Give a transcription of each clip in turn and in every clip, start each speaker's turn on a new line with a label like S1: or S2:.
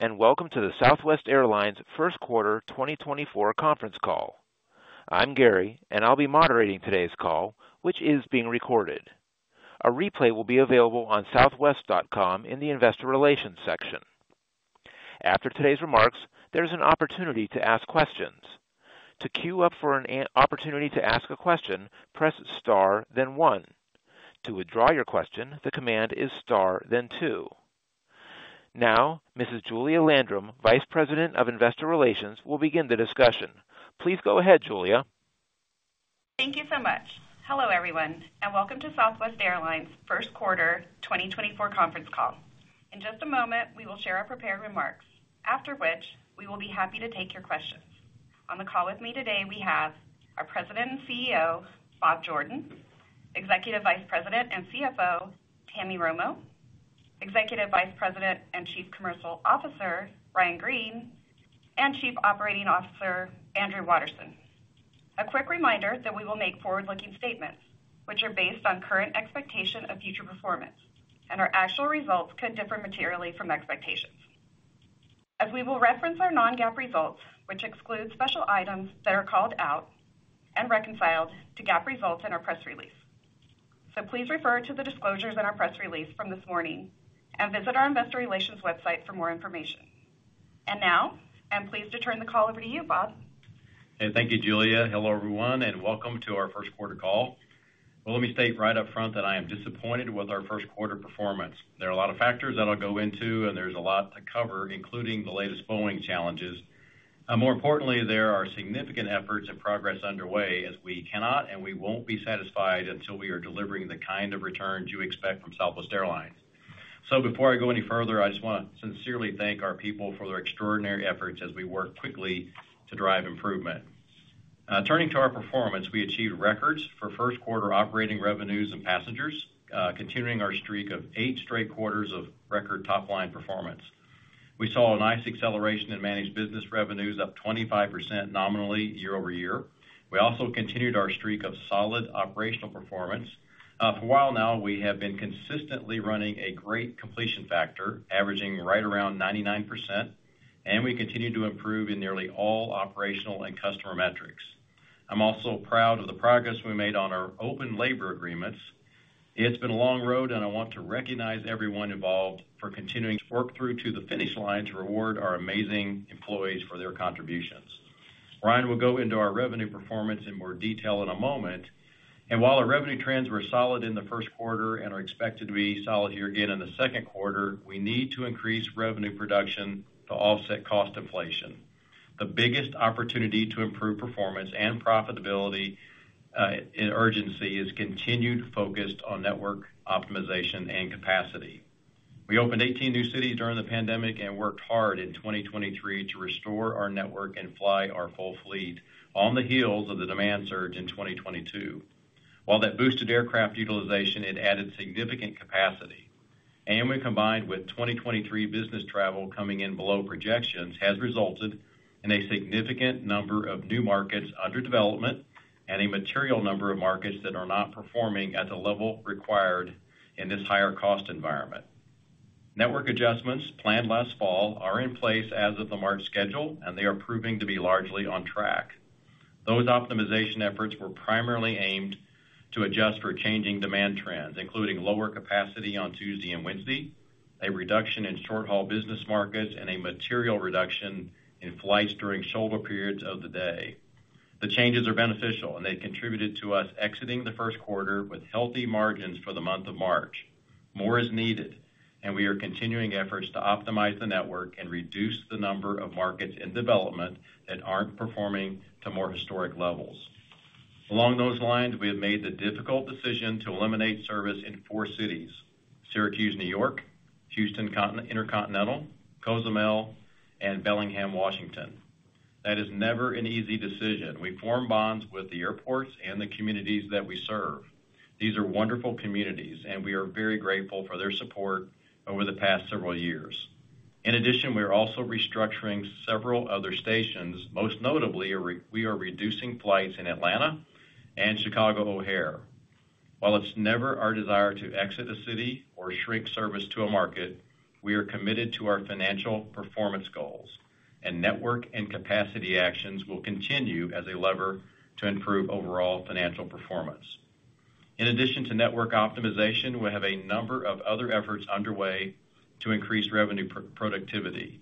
S1: Hello, everyone, and welcome to the Southwest Airlines First Quarter 2024 conference call. I'm Gary, and I'll be moderating today's call, which is being recorded. A replay will be available on southwest.com in the Investor Relations section. After today's remarks, there's an opportunity to ask questions. To queue up for an opportunity to ask a question, press star, then one. To withdraw your question, the command is star, then two. Now, Mrs. Julia Landrum, Vice President of Investor Relations, will begin the discussion. Please go ahead, Julia.
S2: Thank you so much. Hello, everyone, and welcome to Southwest Airlines First Quarter 2024 conference call. In just a moment, we will share our prepared remarks, after which we will be happy to take your questions. On the call with me today, we have our President and CEO, Bob Jordan, Executive Vice President and CFO, Tammy Romo, Executive Vice President and Chief Commercial Officer, Ryan Green, and Chief Operating Officer, Andrew Watterson. A quick reminder that we will make forward-looking statements, which are based on current expectation of future performance, and our actual results could differ materially from expectations. As we will reference our non-GAAP results, which exclude special items that are called out and reconciled to GAAP results in our press release. So please refer to the disclosures in our press release from this morning and visit our investor relations website for more information. And now, I'm pleased to turn the call over to you, Bob.
S3: Hey, thank you, Julia. Hello, everyone, and welcome to our first quarter call. Well, let me state right up front that I am disappointed with our first quarter performance. There are a lot of factors that I'll go into, and there's a lot to cover, including the latest Boeing challenges. More importantly, there are significant efforts and progress underway as we cannot and we won't be satisfied until we are delivering the kind of returns you expect from Southwest Airlines. So before I go any further, I just wanna sincerely thank our people for their extraordinary efforts as we work quickly to drive improvement. Turning to our performance, we achieved records for first quarter operating revenues and passengers, continuing our streak of 8 straight quarters of record top-line performance. We saw a nice acceleration in managed business revenues, up 25% nominally year-over-year. We also continued our streak of solid operational performance. For a while now, we have been consistently running a great completion factor, averaging right around 99%, and we continue to improve in nearly all operational and customer metrics. I'm also proud of the progress we made on our open labor agreements. It's been a long road, and I want to recognize everyone involved for continuing to work through to the finish line to reward our amazing employees for their contributions. Ryan will go into our revenue performance in more detail in a moment, and while our revenue trends were solid in the first quarter and are expected to be solid year again in the second quarter, we need to increase revenue production to offset cost inflation. The biggest opportunity to improve performance and profitability, in urgency, is continued focused on network optimization and capacity. We opened 18 new cities during the pandemic and worked hard in 2023 to restore our network and fly our full fleet on the heels of the demand surge in 2022. While that boosted aircraft utilization, it added significant capacity, and when combined with 2023 business travel coming in below projections, has resulted in a significant number of new markets under development and a material number of markets that are not performing at the level required in this higher cost environment. Network adjustments planned last fall are in place as of the March schedule, and they are proving to be largely on track. Those optimization efforts were primarily aimed to adjust for changing demand trends, including lower capacity on Tuesday and Wednesday, a reduction in short-haul business markets, and a material reduction in flights during shoulder periods of the day. The changes are beneficial, and they contributed to us exiting the first quarter with healthy margins for the month of March. More is needed, and we are continuing efforts to optimize the network and reduce the number of markets in development that aren't performing to more historic levels. Along those lines, we have made the difficult decision to eliminate service in four cities: Syracuse, New York, Houston Intercontinental, Cozumel, and Bellingham, Washington. That is never an easy decision. We form bonds with the airports and the communities that we serve. These are wonderful communities, and we are very grateful for their support over the past several years. In addition, we are also restructuring several other stations. Most notably, we are reducing flights in Atlanta and Chicago O'Hare. While it's never our desire to exit a city or shrink service to a market, we are committed to our financial performance goals, and network and capacity actions will continue as a lever to improve overall financial performance. In addition to network optimization, we have a number of other efforts underway to increase revenue productivity.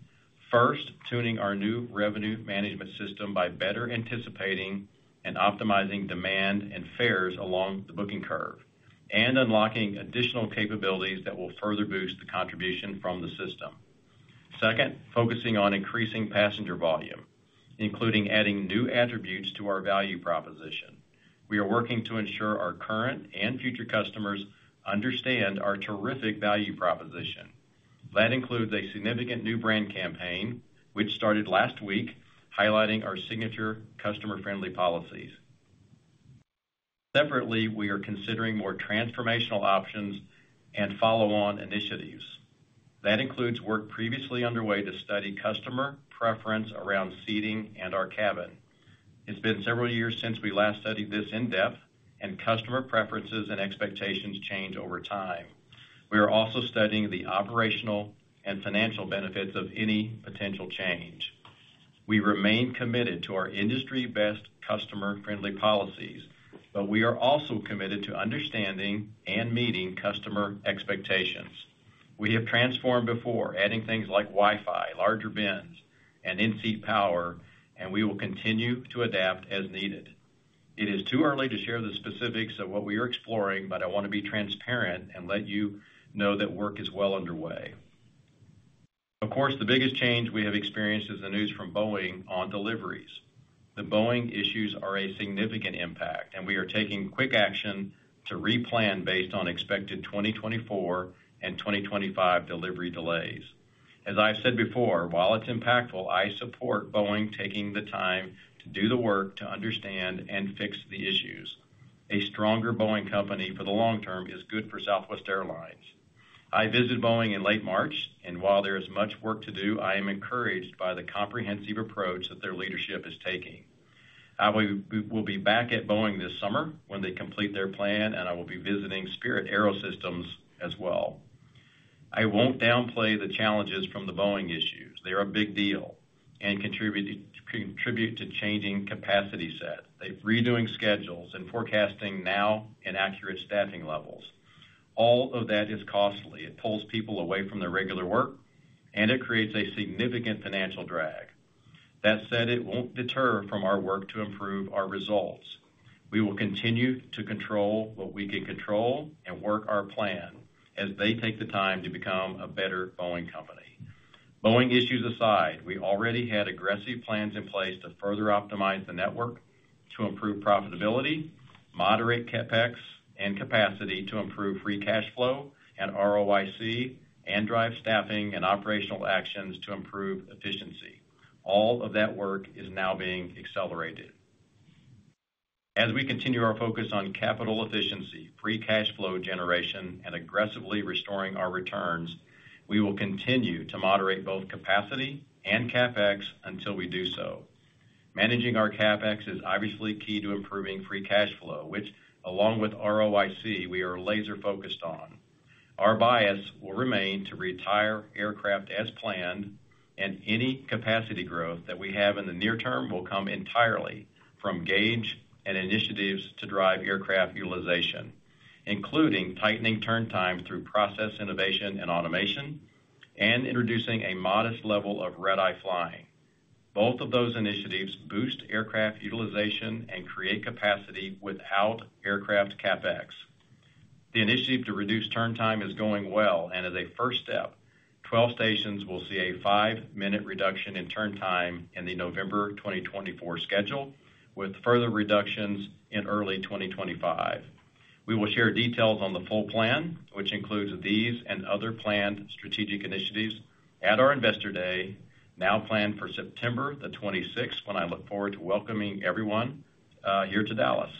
S3: First, tuning our new revenue management system by better anticipating and optimizing demand and fares along the booking curve, and unlocking additional capabilities that will further boost the contribution from the system. Second, focusing on increasing passenger volume, including adding new attributes to our value proposition. We are working to ensure our current and future customers understand our terrific value proposition. That includes a significant new brand campaign, which started last week, highlighting our signature customer-friendly policies. Separately, we are considering more transformational options and follow-on initiatives. That includes work previously underway to study customer preference around seating and our cabin.... It's been several years since we last studied this in depth, and customer preferences and expectations change over time. We are also studying the operational and financial benefits of any potential change. We remain committed to our industry-best customer-friendly policies, but we are also committed to understanding and meeting customer expectations. We have transformed before, adding things like Wi-Fi, larger bins, and in-seat power, and we will continue to adapt as needed. It is too early to share the specifics of what we are exploring, but I want to be transparent and let you know that work is well underway. Of course, the biggest change we have experienced is the news from Boeing on deliveries. The Boeing issues are a significant impact, and we are taking quick action to replan based on expected 2024 and 2025 delivery delays. As I've said before, while it's impactful, I support Boeing taking the time to do the work to understand and fix the issues. A stronger Boeing company for the long term is good for Southwest Airlines. I visited Boeing in late March, and while there is much work to do, I am encouraged by the comprehensive approach that their leadership is taking. I will, we will be back at Boeing this summer when they complete their plan, and I will be visiting Spirit AeroSystems as well. I won't downplay the challenges from the Boeing issues. They are a big deal and contribute, contribute to changing capacity set. They're redoing schedules and forecasting now in accurate staffing levels. All of that is costly. It pulls people away from their regular work, and it creates a significant financial drag. That said, it won't deter from our work to improve our results. We will continue to control what we can control and work our plan as they take the time to become a better Boeing company. Boeing issues aside, we already had aggressive plans in place to further optimize the network to improve profitability, moderate CapEx and capacity to improve free cash flow and ROIC, and drive staffing and operational actions to improve efficiency. All of that work is now being accelerated. As we continue our focus on capital efficiency, free cash flow generation, and aggressively restoring our returns, we will continue to moderate both capacity and CapEx until we do so. Managing our CapEx is obviously key to improving free cash flow, which, along with ROIC, we are laser focused on. Our bias will remain to retire aircraft as planned, and any capacity growth that we have in the near term will come entirely from gauge and initiatives to drive aircraft utilization, including tightening turn time through process innovation and automation, and introducing a modest level of red-eye flying. Both of those initiatives boost aircraft utilization and create capacity without aircraft CapEx. The initiative to reduce turn time is going well, and as a first step, 12 stations will see a 5-minute reduction in turn time in the November 2024 schedule, with further reductions in early 2025. We will share details on the full plan, which includes these and other planned strategic initiatives at our Investor Day, now planned for September 26th, when I look forward to welcoming everyone here to Dallas.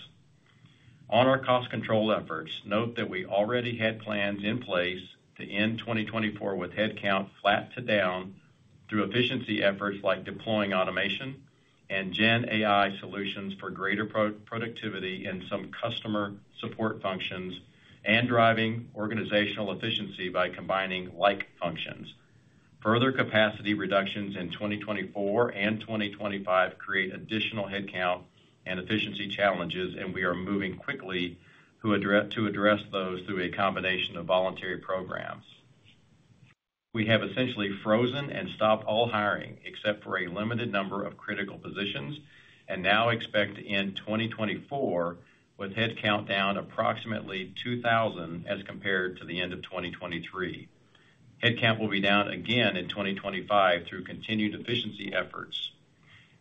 S3: On our cost control efforts, note that we already had plans in place to end 2024 with headcount flat to down through efficiency efforts like deploying automation and Gen AI solutions for greater pro-productivity in some customer support functions and driving organizational efficiency by combining like functions. Further capacity reductions in 2024 and 2025 create additional headcount and efficiency challenges, and we are moving quickly to address those through a combination of voluntary programs. We have essentially frozen and stopped all hiring, except for a limited number of critical positions, and now expect to end 2024 with headcount down approximately 2,000 as compared to the end of 2023. Headcount will be down again in 2025 through continued efficiency efforts.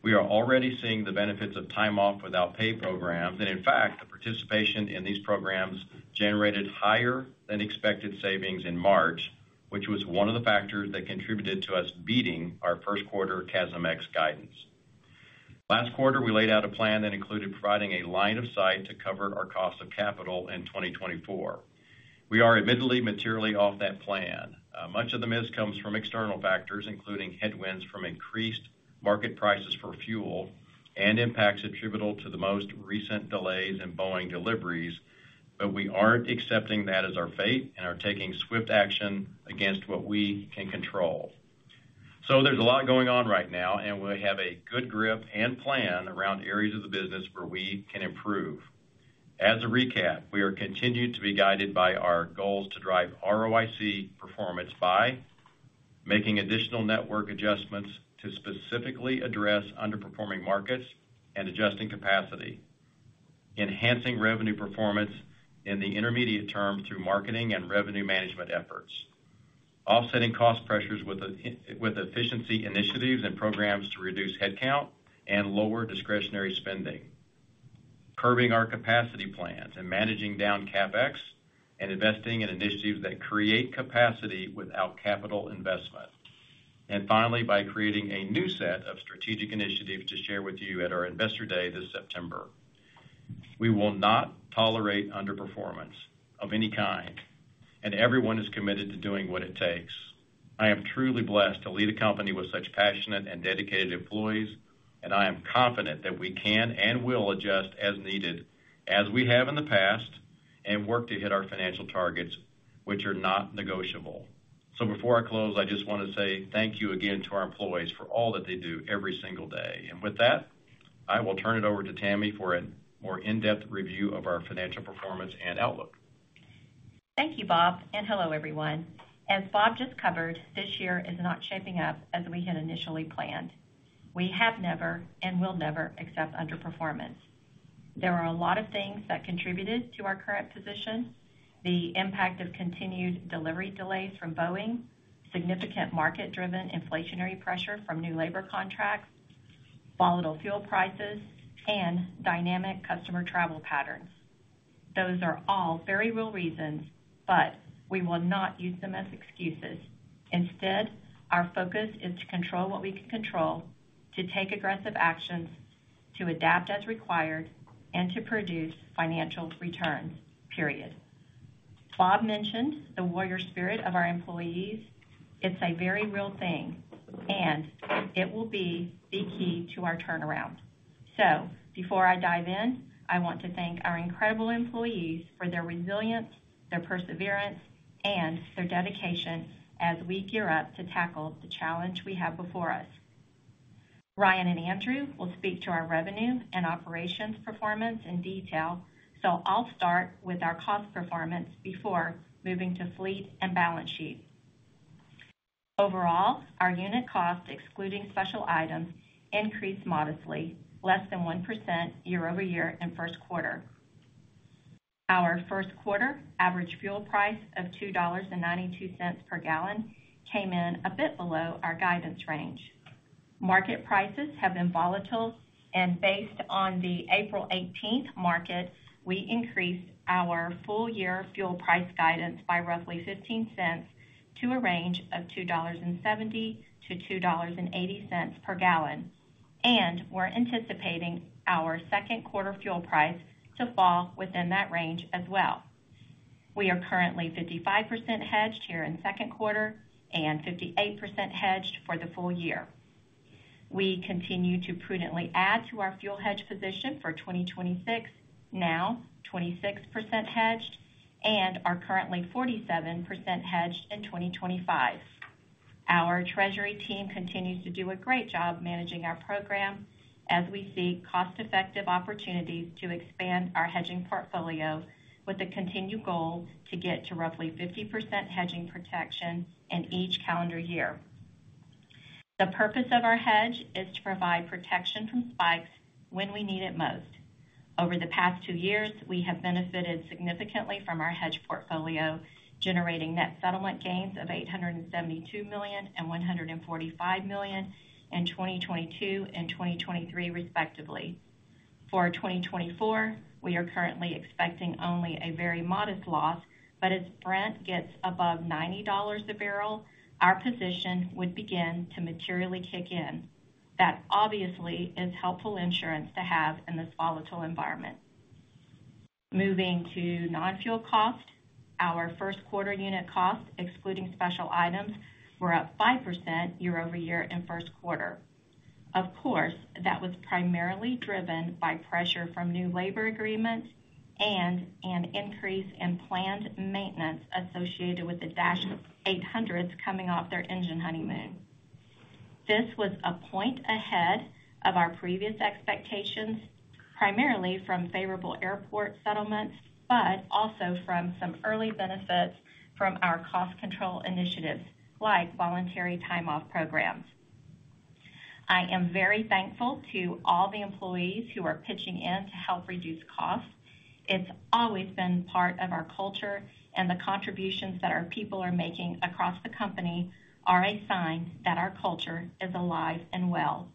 S3: We are already seeing the benefits of time off without pay programs, and in fact, the participation in these programs generated higher than expected savings in March, which was one of the factors that contributed to us beating our first quarter CASM-ex guidance. Last quarter, we laid out a plan that included providing a line of sight to cover our cost of capital in 2024. We are admittedly materially off that plan. Much of the miss comes from external factors, including headwinds from increased market prices for fuel and impacts attributable to the most recent delays in Boeing deliveries, but we aren't accepting that as our fate and are taking swift action against what we can control. So there's a lot going on right now, and we have a good grip and plan around areas of the business where we can improve. As a recap, we are continued to be guided by our goals to drive ROIC performance by making additional network adjustments to specifically address underperforming markets and adjusting capacity, enhancing revenue performance in the intermediate term through marketing and revenue management efforts, offsetting cost pressures with with efficiency initiatives and programs to reduce headcount and lower discretionary spending, curving our capacity plans and managing down CapEx and investing in initiatives that create capacity without capital investment. And finally, by creating a new set of strategic initiatives to share with you at our Investor Day this September. We will not tolerate underperformance of any kind, and everyone is committed to doing what it takes. I am truly blessed to lead a company with such passionate and dedicated employees, and I am confident that we can and will adjust as needed, as we have in the past, and work to hit our financial targets, which are not negotiable. So before I close, I just want to say thank you again to our employees for all that they do every single day. And with that, I will turn it over to Tammy for a more in-depth review of our financial performance and outlook.
S4: Thank you, Bob, and hello, everyone. As Bob just covered, this year is not shaping up as we had initially planned. We have never and will never accept underperformance. There are a lot of things that contributed to our current position: the impact of continued delivery delays from Boeing, significant market-driven inflationary pressure from new labor contracts, volatile fuel prices, and dynamic customer travel patterns. Those are all very real reasons, but we will not use them as excuses. Instead, our focus is to control what we can control, to take aggressive actions, to adapt as required, and to produce financial returns, period. Bob mentioned the warrior spirit of our employees. It's a very real thing, and it will be the key to our turnaround. So before I dive in, I want to thank our incredible employees for their resilience, their perseverance, and their dedication as we gear up to tackle the challenge we have before us. Ryan and Andrew will speak to our revenue and operations performance in detail, so I'll start with our cost performance before moving to fleet and balance sheet. Overall, our unit cost, excluding special items, increased modestly, less than 1% year-over-year in first quarter. Our first quarter average fuel price of $2.92 per gallon came in a bit below our guidance range. Market prices have been volatile, and based on the April 18 market, we increased our full year fuel price guidance by roughly 15 cents to a range of $2.70-$2.80 per gallon, and we're anticipating our second quarter fuel price to fall within that range as well. We are currently 55% hedged here in second quarter and 58% hedged for the full year. We continue to prudently add to our fuel hedge position for 2026, now 26% hedged, and are currently 47% hedged in 2025. Our treasury team continues to do a great job managing our program as we see cost-effective opportunities to expand our hedging portfolio with a continued goal to get to roughly 50% hedging protection in each calendar year. The purpose of our hedge is to provide protection from spikes when we need it most. Over the past two years, we have benefited significantly from our hedge portfolio, generating net settlement gains of $872 million and $145 million in 2022 and 2023, respectively. For 2024, we are currently expecting only a very modest loss, but as Brent gets above $90 a barrel, our position would begin to materially kick in. That obviously is helpful insurance to have in this volatile environment. Moving to non-fuel cost, our first quarter unit costs, excluding special items, were up 5% year-over-year in first quarter. Of course, that was primarily driven by pressure from new labor agreements and an increase in planned maintenance associated with the Dash 800s coming off their engine honeymoon. This was a point ahead of our previous expectations, primarily from favorable airport settlements, but also from some early benefits from our cost control initiatives, like voluntary time off programs. I am very thankful to all the employees who are pitching in to help reduce costs. It's always been part of our culture, and the contributions that our people are making across the company are a sign that our culture is alive and well.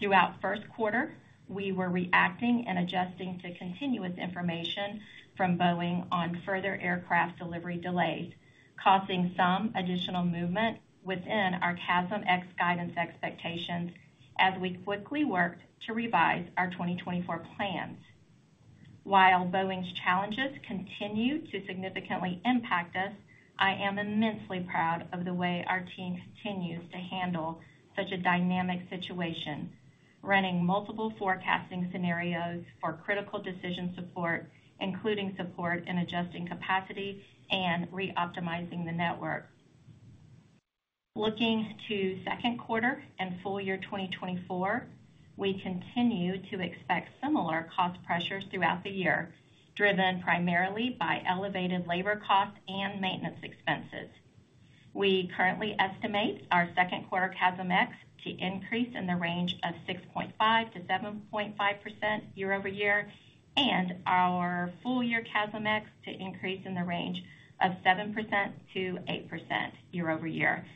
S4: Throughout first quarter, we were reacting and adjusting to continuous information from Boeing on further aircraft delivery delays, causing some additional movement within our CASM-ex guidance expectations as we quickly worked to revise our 2024 plans. While Boeing's challenges continue to significantly impact us, I am immensely proud of the way our team continues to handle such a dynamic situation, running multiple forecasting scenarios for critical decision support, including support in adjusting capacity and reoptimizing the network. Looking to second quarter and full year 2024, we continue to expect similar cost pressures throughout the year, driven primarily by elevated labor costs and maintenance expenses. We currently estimate our second quarter CASM-ex to increase in the range of 6.5%-7.5% year-over-year, and our full year CASM-ex to increase in the range of 7%-8% year-over-year,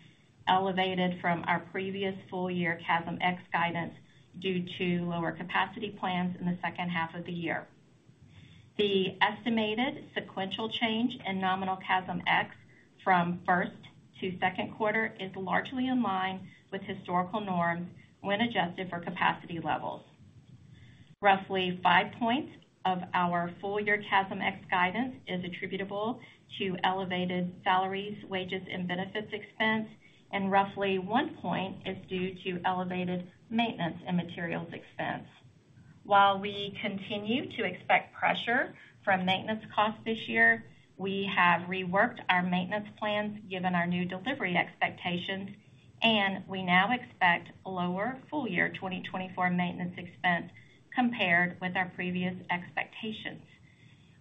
S4: elevated from our previous full year CASM-ex guidance due to lower capacity plans in the second half of the year. The estimated sequential change in nominal CASM ex from first to second quarter is largely in line with historical norms when adjusted for capacity levels. Roughly 5 points of our full-year CASM ex guidance is attributable to elevated salaries, wages, and benefits expense, and roughly 1 point is due to elevated maintenance and materials expense. While we continue to expect pressure from maintenance costs this year, we have reworked our maintenance plans given our new delivery expectations, and we now expect lower full-year 2024 maintenance expense compared with our previous expectations.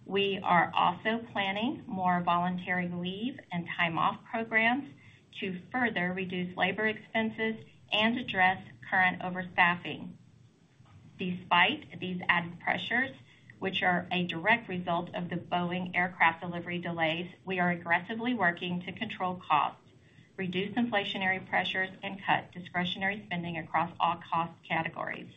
S4: We are also planning more voluntary leave and time off programs to further reduce labor expenses and address current overstaffing. Despite these added pressures, which are a direct result of the Boeing aircraft delivery delays, we are aggressively working to control costs, reduce inflationary pressures, and cut discretionary spending across all cost categories.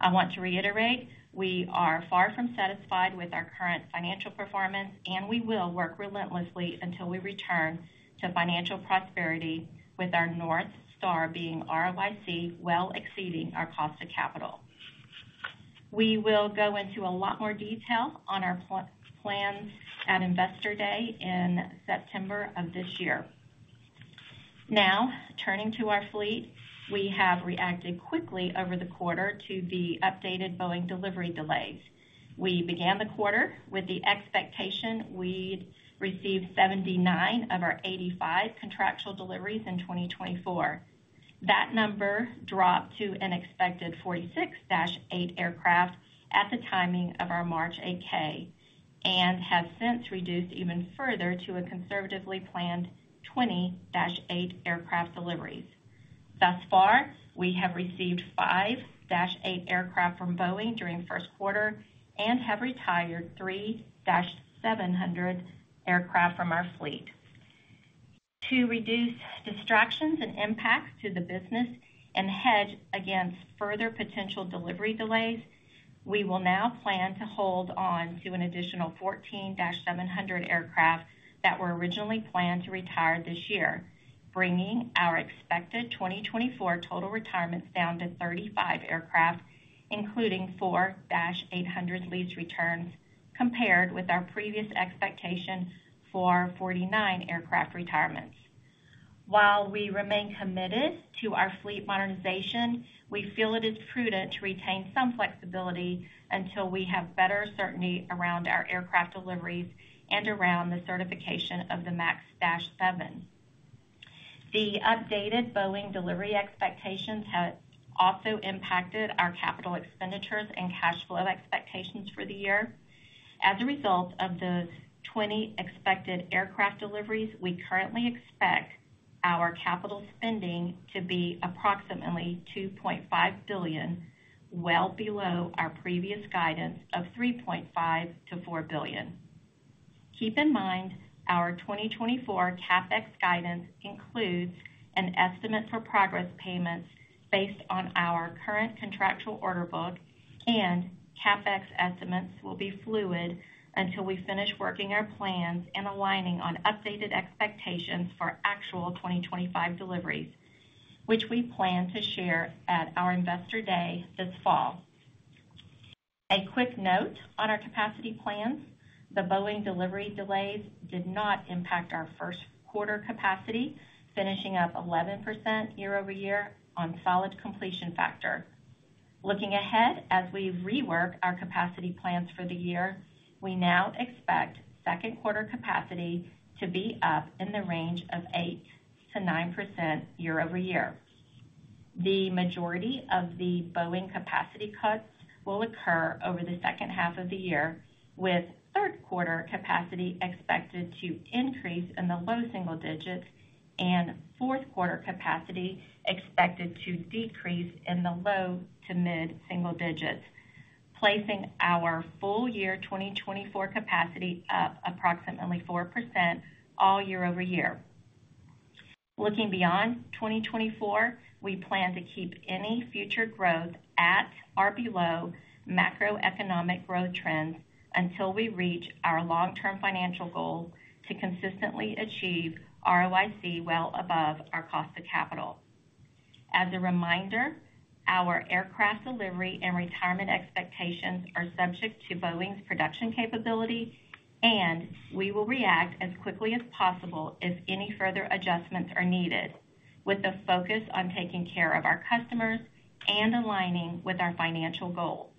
S4: I want to reiterate, we are far from satisfied with our current financial performance, and we will work relentlessly until we return to financial prosperity, with our North Star being ROIC, well exceeding our cost of capital. We will go into a lot more detail on our plans at Investor Day in September of this year. Now, turning to our fleet, we have reacted quickly over the quarter to the updated Boeing delivery delays. We began the quarter with the expectation we'd receive 79 of our 85 contractual deliveries in 2024. That number dropped to an expected 46 Dash 8 aircraft at the timing of our March 8-K, and have since reduced even further to a conservatively planned 20 Dash 8 aircraft deliveries. Thus far, we have received five Dash 8 aircraft from Boeing during first quarter and have retired three Dash 700 aircraft from our fleet. To reduce distractions and impacts to the business and hedge against further potential delivery delays, we will now plan to hold on to an additional 14 Dash 700 aircraft that were originally planned to retire this year, bringing our expected 2024 total retirements down to 35 aircraft, including 4 Dash 800 lease returns, compared with our previous expectation for 49 aircraft retirements. While we remain committed to our fleet modernization, we feel it is prudent to retain some flexibility until we have better certainty around our aircraft deliveries and around the certification of the MAX 7. The updated Boeing delivery expectations have also impacted our capital expenditures and cash flow expectations for the year. As a result of the 20 expected aircraft deliveries, we currently expect our capital spending to be approximately $2.5 billion, well below our previous guidance of $3.5-$4 billion. Keep in mind, our 2024 CapEx guidance includes an estimate for progress payments based on our current contractual order book, and CapEx estimates will be fluid until we finish working our plans and aligning on updated expectations for actual 2025 deliveries, which we plan to share at our Investor Day this fall. A quick note on our capacity plans. The Boeing delivery delays did not impact our first quarter capacity, finishing up 11% year-over-year on solid completion factor. Looking ahead, as we rework our capacity plans for the year, we now expect second quarter capacity to be up in the range of 8%-9% year-over-year. The majority of the Boeing capacity cuts will occur over the second half of the year, with third quarter capacity expected to increase in the low single digits and fourth quarter capacity expected to decrease in the low to mid-single digits, placing our full year 2024 capacity up approximately 4%, all year-over-year. Looking beyond 2024, we plan to keep any future growth at or below macroeconomic growth trends until we reach our long-term financial goal to consistently achieve ROIC well above our cost of capital. As a reminder, our aircraft delivery and retirement expectations are subject to Boeing's production capability, and we will react as quickly as possible if any further adjustments are needed, with the focus on taking care of our customers and aligning with our financial goals.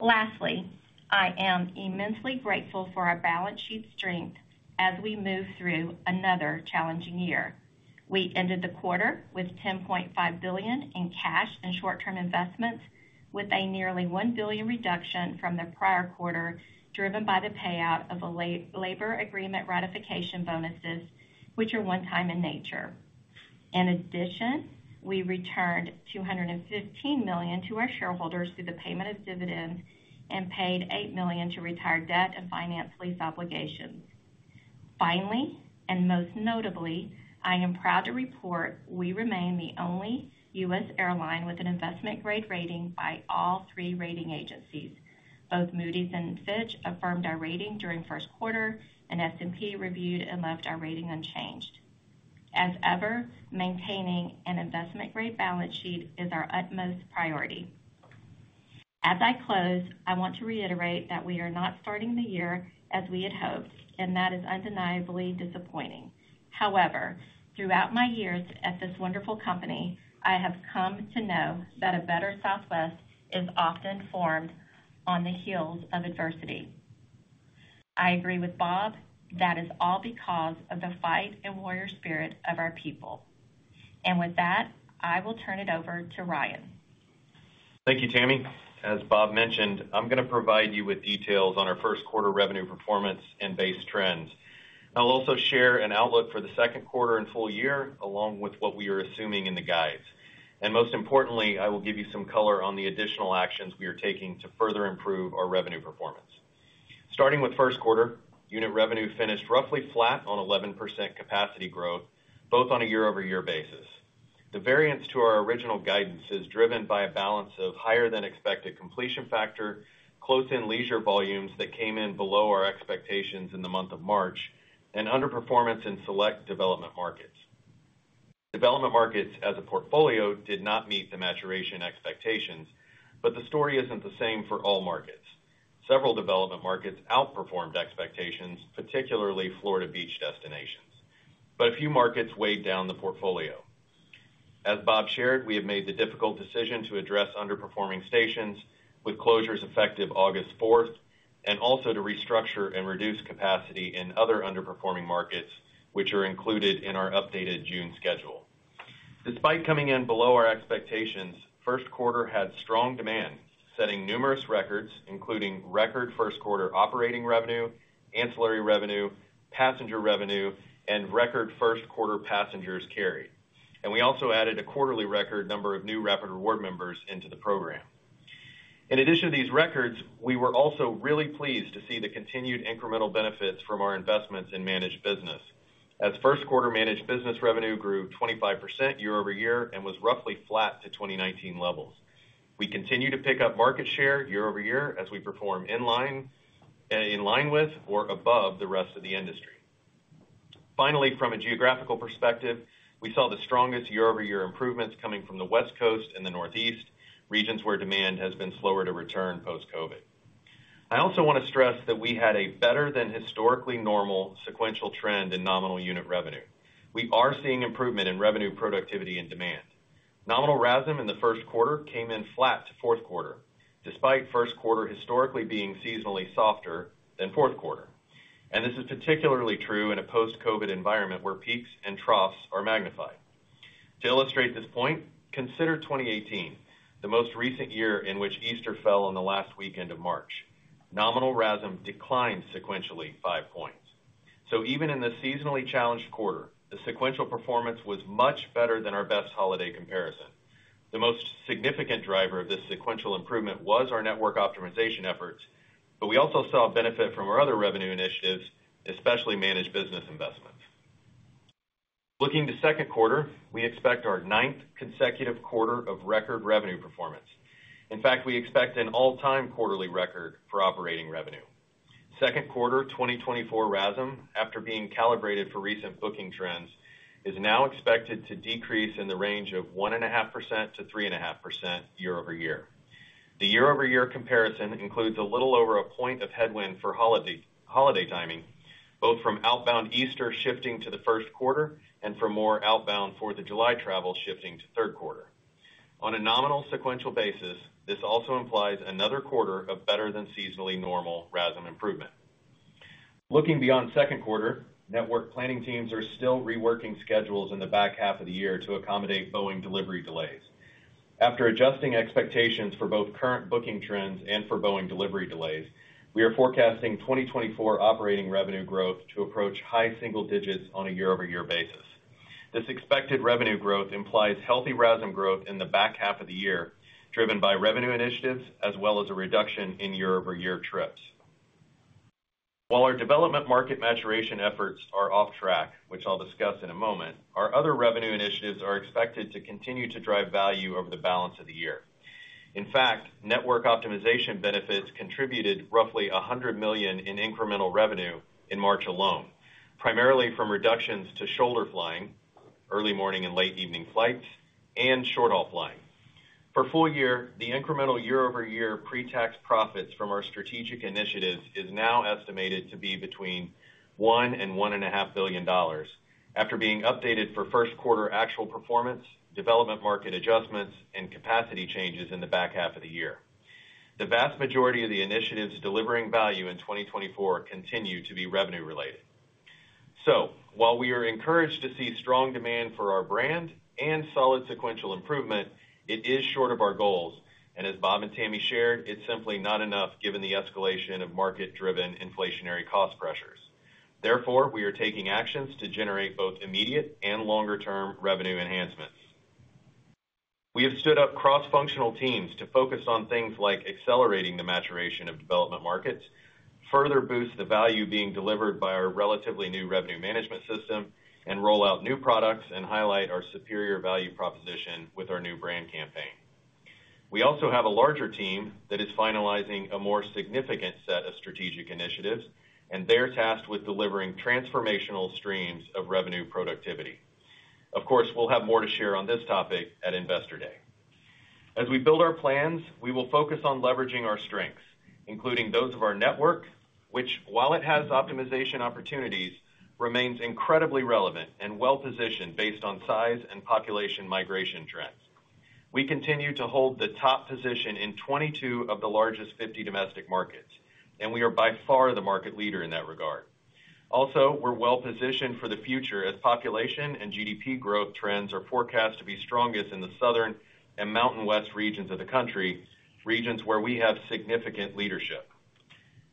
S4: Lastly, I am immensely grateful for our balance sheet strength as we move through another challenging year. We ended the quarter with $10.5 billion in cash and short-term investments, with a nearly $1 billion reduction from the prior quarter, driven by the payout of a labor agreement ratification bonuses, which are one-time in nature. In addition, we returned $215 million to our shareholders through the payment of dividends and paid $8 million to retire debt and finance lease obligations. Finally, and most notably, I am proud to report we remain the only U.S. airline with an investment-grade rating by all three rating agencies. Both Moody's and Fitch affirmed our rating during first quarter, and S&P reviewed and left our rating unchanged. As ever, maintaining an investment-grade balance sheet is our utmost priority. As I close, I want to reiterate that we are not starting the year as we had hoped, and that is undeniably disappointing. However, throughout my years at this wonderful company, I have come to know that a better Southwest is often formed on the heels of adversity. I agree with Bob. That is all because of the fight and warrior spirit of our people. With that, I will turn it over to Ryan.
S5: Thank you, Tammy. As Bob mentioned, I'm gonna provide you with details on our first quarter revenue performance and base trends. I'll also share an outlook for the second quarter and full year, along with what we are assuming in the guides. And most importantly, I will give you some color on the additional actions we are taking to further improve our revenue performance. Starting with first quarter, unit revenue finished roughly flat on 11% capacity growth, both on a year-over-year basis. The variance to our original guidance is driven by a balance of higher than expected completion factor, close in leisure volumes that came in below our expectations in the month of March, and underperformance in select development markets. Development markets as a portfolio did not meet the maturation expectations, but the story isn't the same for all markets. Several development markets outperformed expectations, particularly Florida beach destinations, but a few markets weighed down the portfolio. As Bob shared, we have made the difficult decision to address underperforming stations with closures effective August fourth, and also to restructure and reduce capacity in other underperforming markets, which are included in our updated June schedule. Despite coming in below our expectations, first quarter had strong demand, setting numerous records, including record first quarter operating revenue, ancillary revenue, passenger revenue, and record first quarter passengers carried. We also added a quarterly record number of new Rapid Rewards members into the program. In addition to these records, we were also really pleased to see the continued incremental benefits from our investments in managed business. As first quarter managed business revenue grew 25% year-over-year and was roughly flat to 2019 levels. We continue to pick up market share year-over-year as we perform in line, in line with or above the rest of the industry. Finally, from a geographical perspective, we saw the strongest year-over-year improvements coming from the West Coast and the Northeast, regions where demand has been slower to return post-COVID. I also want to stress that we had a better than historically normal sequential trend in nominal unit revenue. We are seeing improvement in revenue, productivity, and demand. Nominal RASM in the first quarter came in flat to fourth quarter, despite first quarter historically being seasonally softer than fourth quarter. This is particularly true in a post-COVID environment where peaks and troughs are magnified. To illustrate this point, consider 2018, the most recent year in which Easter fell on the last weekend of March. Nominal RASM declined sequentially five points. So even in the seasonally challenged quarter, the sequential performance was much better than our best holiday comparison. The most significant driver of this sequential improvement was our network optimization efforts, but we also saw a benefit from our other revenue initiatives, especially managed business investments. Looking to second quarter, we expect our ninth consecutive quarter of record revenue performance. In fact, we expect an all-time quarterly record for operating revenue. Second quarter, 2024 RASM, after being calibrated for recent booking trends, is now expected to decrease in the range of 1.5%-3.5% year-over-year. The year-over-year comparison includes a little over a point of headwind for holiday, holiday timing, both from outbound Easter shifting to the first quarter and for more outbound Fourth of July travel shifting to third quarter. On a nominal sequential basis, this also implies another quarter of better than seasonally normal RASM improvement. Looking beyond second quarter, network planning teams are still reworking schedules in the back half of the year to accommodate Boeing delivery delays. After adjusting expectations for both current booking trends and for Boeing delivery delays, we are forecasting 2024 operating revenue growth to approach high single digits on a year-over-year basis. This expected revenue growth implies healthy RASM growth in the back half of the year, driven by revenue initiatives, as well as a reduction in year-over-year trips. While our development market maturation efforts are off track, which I'll discuss in a moment, our other revenue initiatives are expected to continue to drive value over the balance of the year. In fact, network optimization benefits contributed roughly $100 million in incremental revenue in March alone, primarily from reductions to shoulder flying, early morning and late evening flights, and short-haul flying. For full year, the incremental year-over-year pre-tax profits from our strategic initiatives is now estimated to be between $1 billion and $1.5 billion, after being updated for first quarter actual performance, development market adjustments, and capacity changes in the back half of the year. The vast majority of the initiatives delivering value in 2024 continue to be revenue related. So while we are encouraged to see strong demand for our brand and solid sequential improvement, it is short of our goals, and as Bob and Tammy shared, it's simply not enough given the escalation of market-driven inflationary cost pressures. Therefore, we are taking actions to generate both immediate and longer-term revenue enhancements. We have stood up cross-functional teams to focus on things like accelerating the maturation of development markets, further boost the value being delivered by our relatively new revenue management system, and roll out new products and highlight our superior value proposition with our new brand campaign. We also have a larger team that is finalizing a more significant set of strategic initiatives, and they're tasked with delivering transformational streams of revenue productivity. Of course, we'll have more to share on this topic at Investor Day. As we build our plans, we will focus on leveraging our strengths, including those of our network, which, while it has optimization opportunities, remains incredibly relevant and well-positioned based on size and population migration trends. We continue to hold the top position in 22 of the largest 50 domestic markets, and we are by far the market leader in that regard. Also, we're well-positioned for the future as population and GDP growth trends are forecast to be strongest in the Southern and Mountain West regions of the country, regions where we have significant leadership.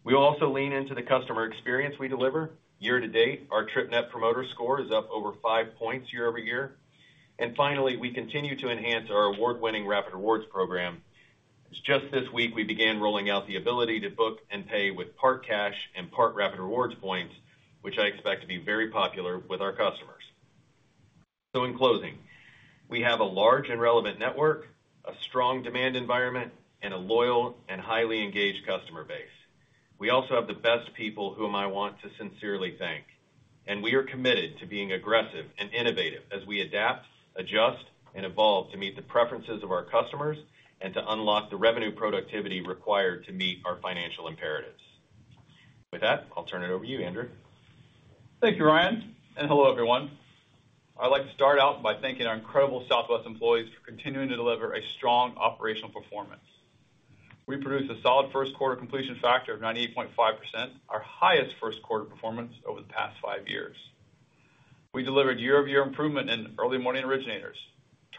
S5: We also lean into the customer experience we deliver. Year to date, our Trip Net Promoter Score is up over five points year-over-year. And finally, we continue to enhance our award-winning Rapid Rewards program. Just this week, we began rolling out the ability to book and pay with part cash and part Rapid Rewards points, which I expect to be very popular with our customers. So in closing, we have a large and relevant network, a strong demand environment, and a loyal and highly engaged customer base. We also have the best people whom I want to sincerely thank, and we are committed to being aggressive and innovative as we adapt, adjust, and evolve to meet the preferences of our customers and to unlock the revenue productivity required to meet our financial imperatives. With that, I'll turn it over to you, Andrew.
S6: Thank you, Ryan, and hello, everyone. I'd like to start out by thanking our incredible Southwest employees for continuing to deliver a strong operational performance. We produced a solid first quarter completion factor of 98.5%, our highest first quarter performance over the past five years. We delivered year-over-year improvement in early morning originators,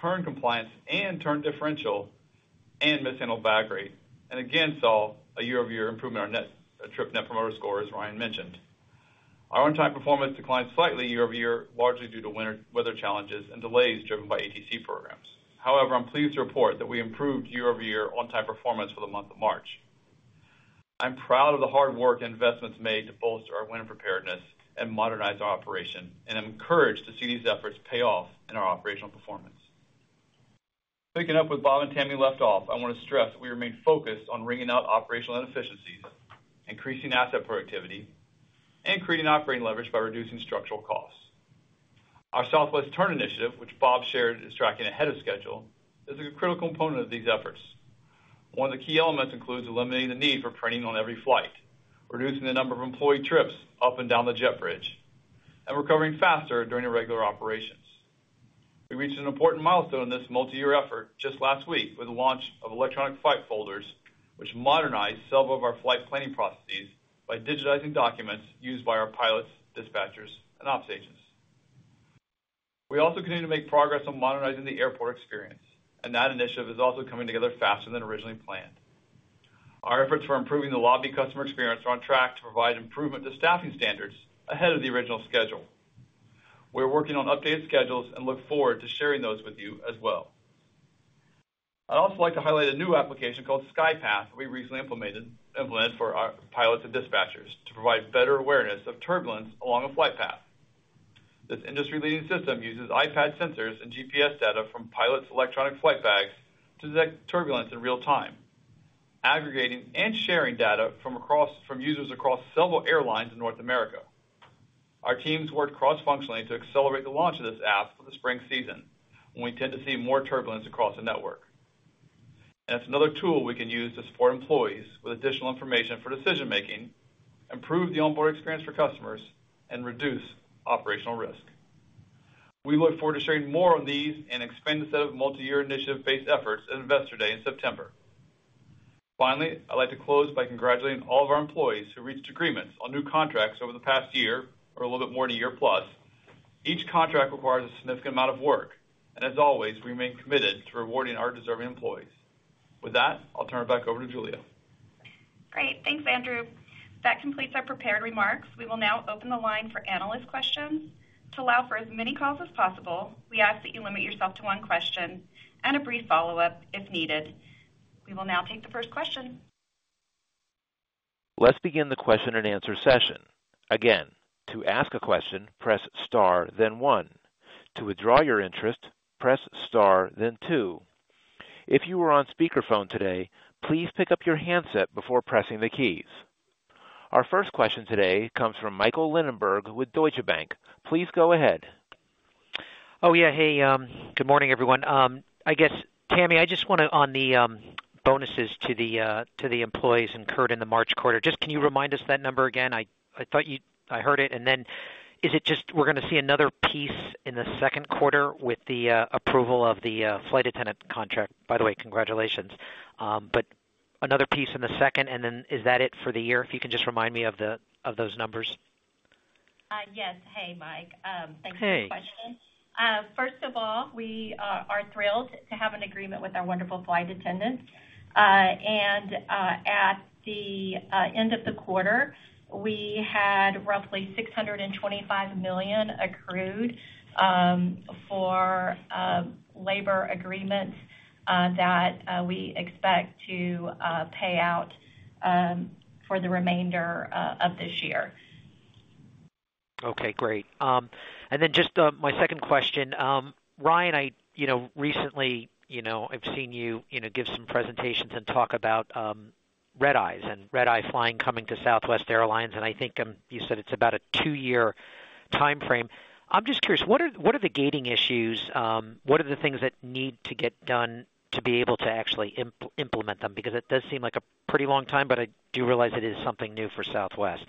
S6: turn compliance, and turn differential, and mishandled bag rate, and again, saw a year-over-year improvement on our Trip Net Promoter Score, as Ryan mentioned. Our on-time performance declined slightly year-over-year, largely due to winter weather challenges and delays driven by ATC programs. However, I'm pleased to report that we improved year-over-year on-time performance for the month of March. I'm proud of the hard work and investments made to bolster our winter preparedness and modernize our operation, and I'm encouraged to see these efforts pay off in our operational performance. Picking up where Bob and Tammy left off, I want to stress that we remain focused on wringing out operational inefficiencies, increasing asset productivity, and creating operating leverage by reducing structural costs. Our Southwest Turn initiative, which Bob shared, is tracking ahead of schedule, is a critical component of these efforts. One of the key elements includes eliminating the need for training on every flight, reducing the number of employee trips up and down the jet bridge, and recovering faster during irregular operations. We reached an important milestone in this multi-year effort just last week with the launch of Electronic Flight Folders, which modernize several of our flight planning processes by digitizing documents used by our pilots, dispatchers, and ops agents. We also continue to make progress on modernizing the airport experience, and that initiative is also coming together faster than originally planned. Our efforts for improving the lobby customer experience are on track to provide improvement to staffing standards ahead of the original schedule. We're working on updated schedules and look forward to sharing those with you as well. I'd also like to highlight a new application called SkyPath we recently implemented for our pilots and dispatchers to provide better awareness of turbulence along a flight path. This industry-leading system uses iPad sensors and GPS data from pilots' electronic flight bags to detect turbulence in real time, aggregating and sharing data from users across several airlines in North America. Our teams worked cross-functionally to accelerate the launch of this app for the spring season, when we tend to see more turbulence across the network. It's another tool we can use to support employees with additional information for decision-making, improve the onboard experience for customers, and reduce operational risk. We look forward to sharing more on these and expanded set of multiyear initiative-based efforts at Investor Day in September. Finally, I'd like to close by congratulating all of our employees who reached agreements on new contracts over the past year or a little bit more than a year-plus. Each contract requires a significant amount of work, and as always, we remain committed to rewarding our deserving employees. With that, I'll turn it back over to Julia.
S2: Great. Thanks, Andrew. That completes our prepared remarks. We will now open the line for analyst questions. To allow for as many calls as possible, we ask that you limit yourself to one question and a brief follow-up if needed. We will now take the first question.
S1: Let's begin the question and answer session. Again, to ask a question, press star, then one. To withdraw your interest, press star, then two. If you are on speakerphone today, please pick up your handset before pressing the keys. Our first question today comes from Michael Linenberg with Deutsche Bank. Please go ahead.
S7: Oh, yeah. Hey, good morning, everyone. I guess, Tammy, I just want to - on the bonuses to the employees incurred in the March quarter, just can you remind us that number again? I thought you - I heard it, and then is it just we're going to see another piece in the second quarter with the approval of the flight attendant contract? By the way, congratulations. But another piece in the second, and then is that it for the year? If you can just remind me of those numbers....
S4: Yes. Hey, Mike. Thanks for the question. First of all, we are thrilled to have an agreement with our wonderful flight attendants. And at the end of the quarter, we had roughly $625 million accrued for labor agreements that we expect to pay out for the remainder of this year.
S7: Okay, great. And then just, my second question, Ryan, you know, recently, you know, I've seen you, you know, give some presentations and talk about, red-eyes and red-eye flying coming to Southwest Airlines, and I think, you said it's about a two-year timeframe. I'm just curious, what are the gating issues? What are the things that need to get done to be able to actually implement them? Because it does seem like a pretty long time, but I do realize it is something new for Southwest.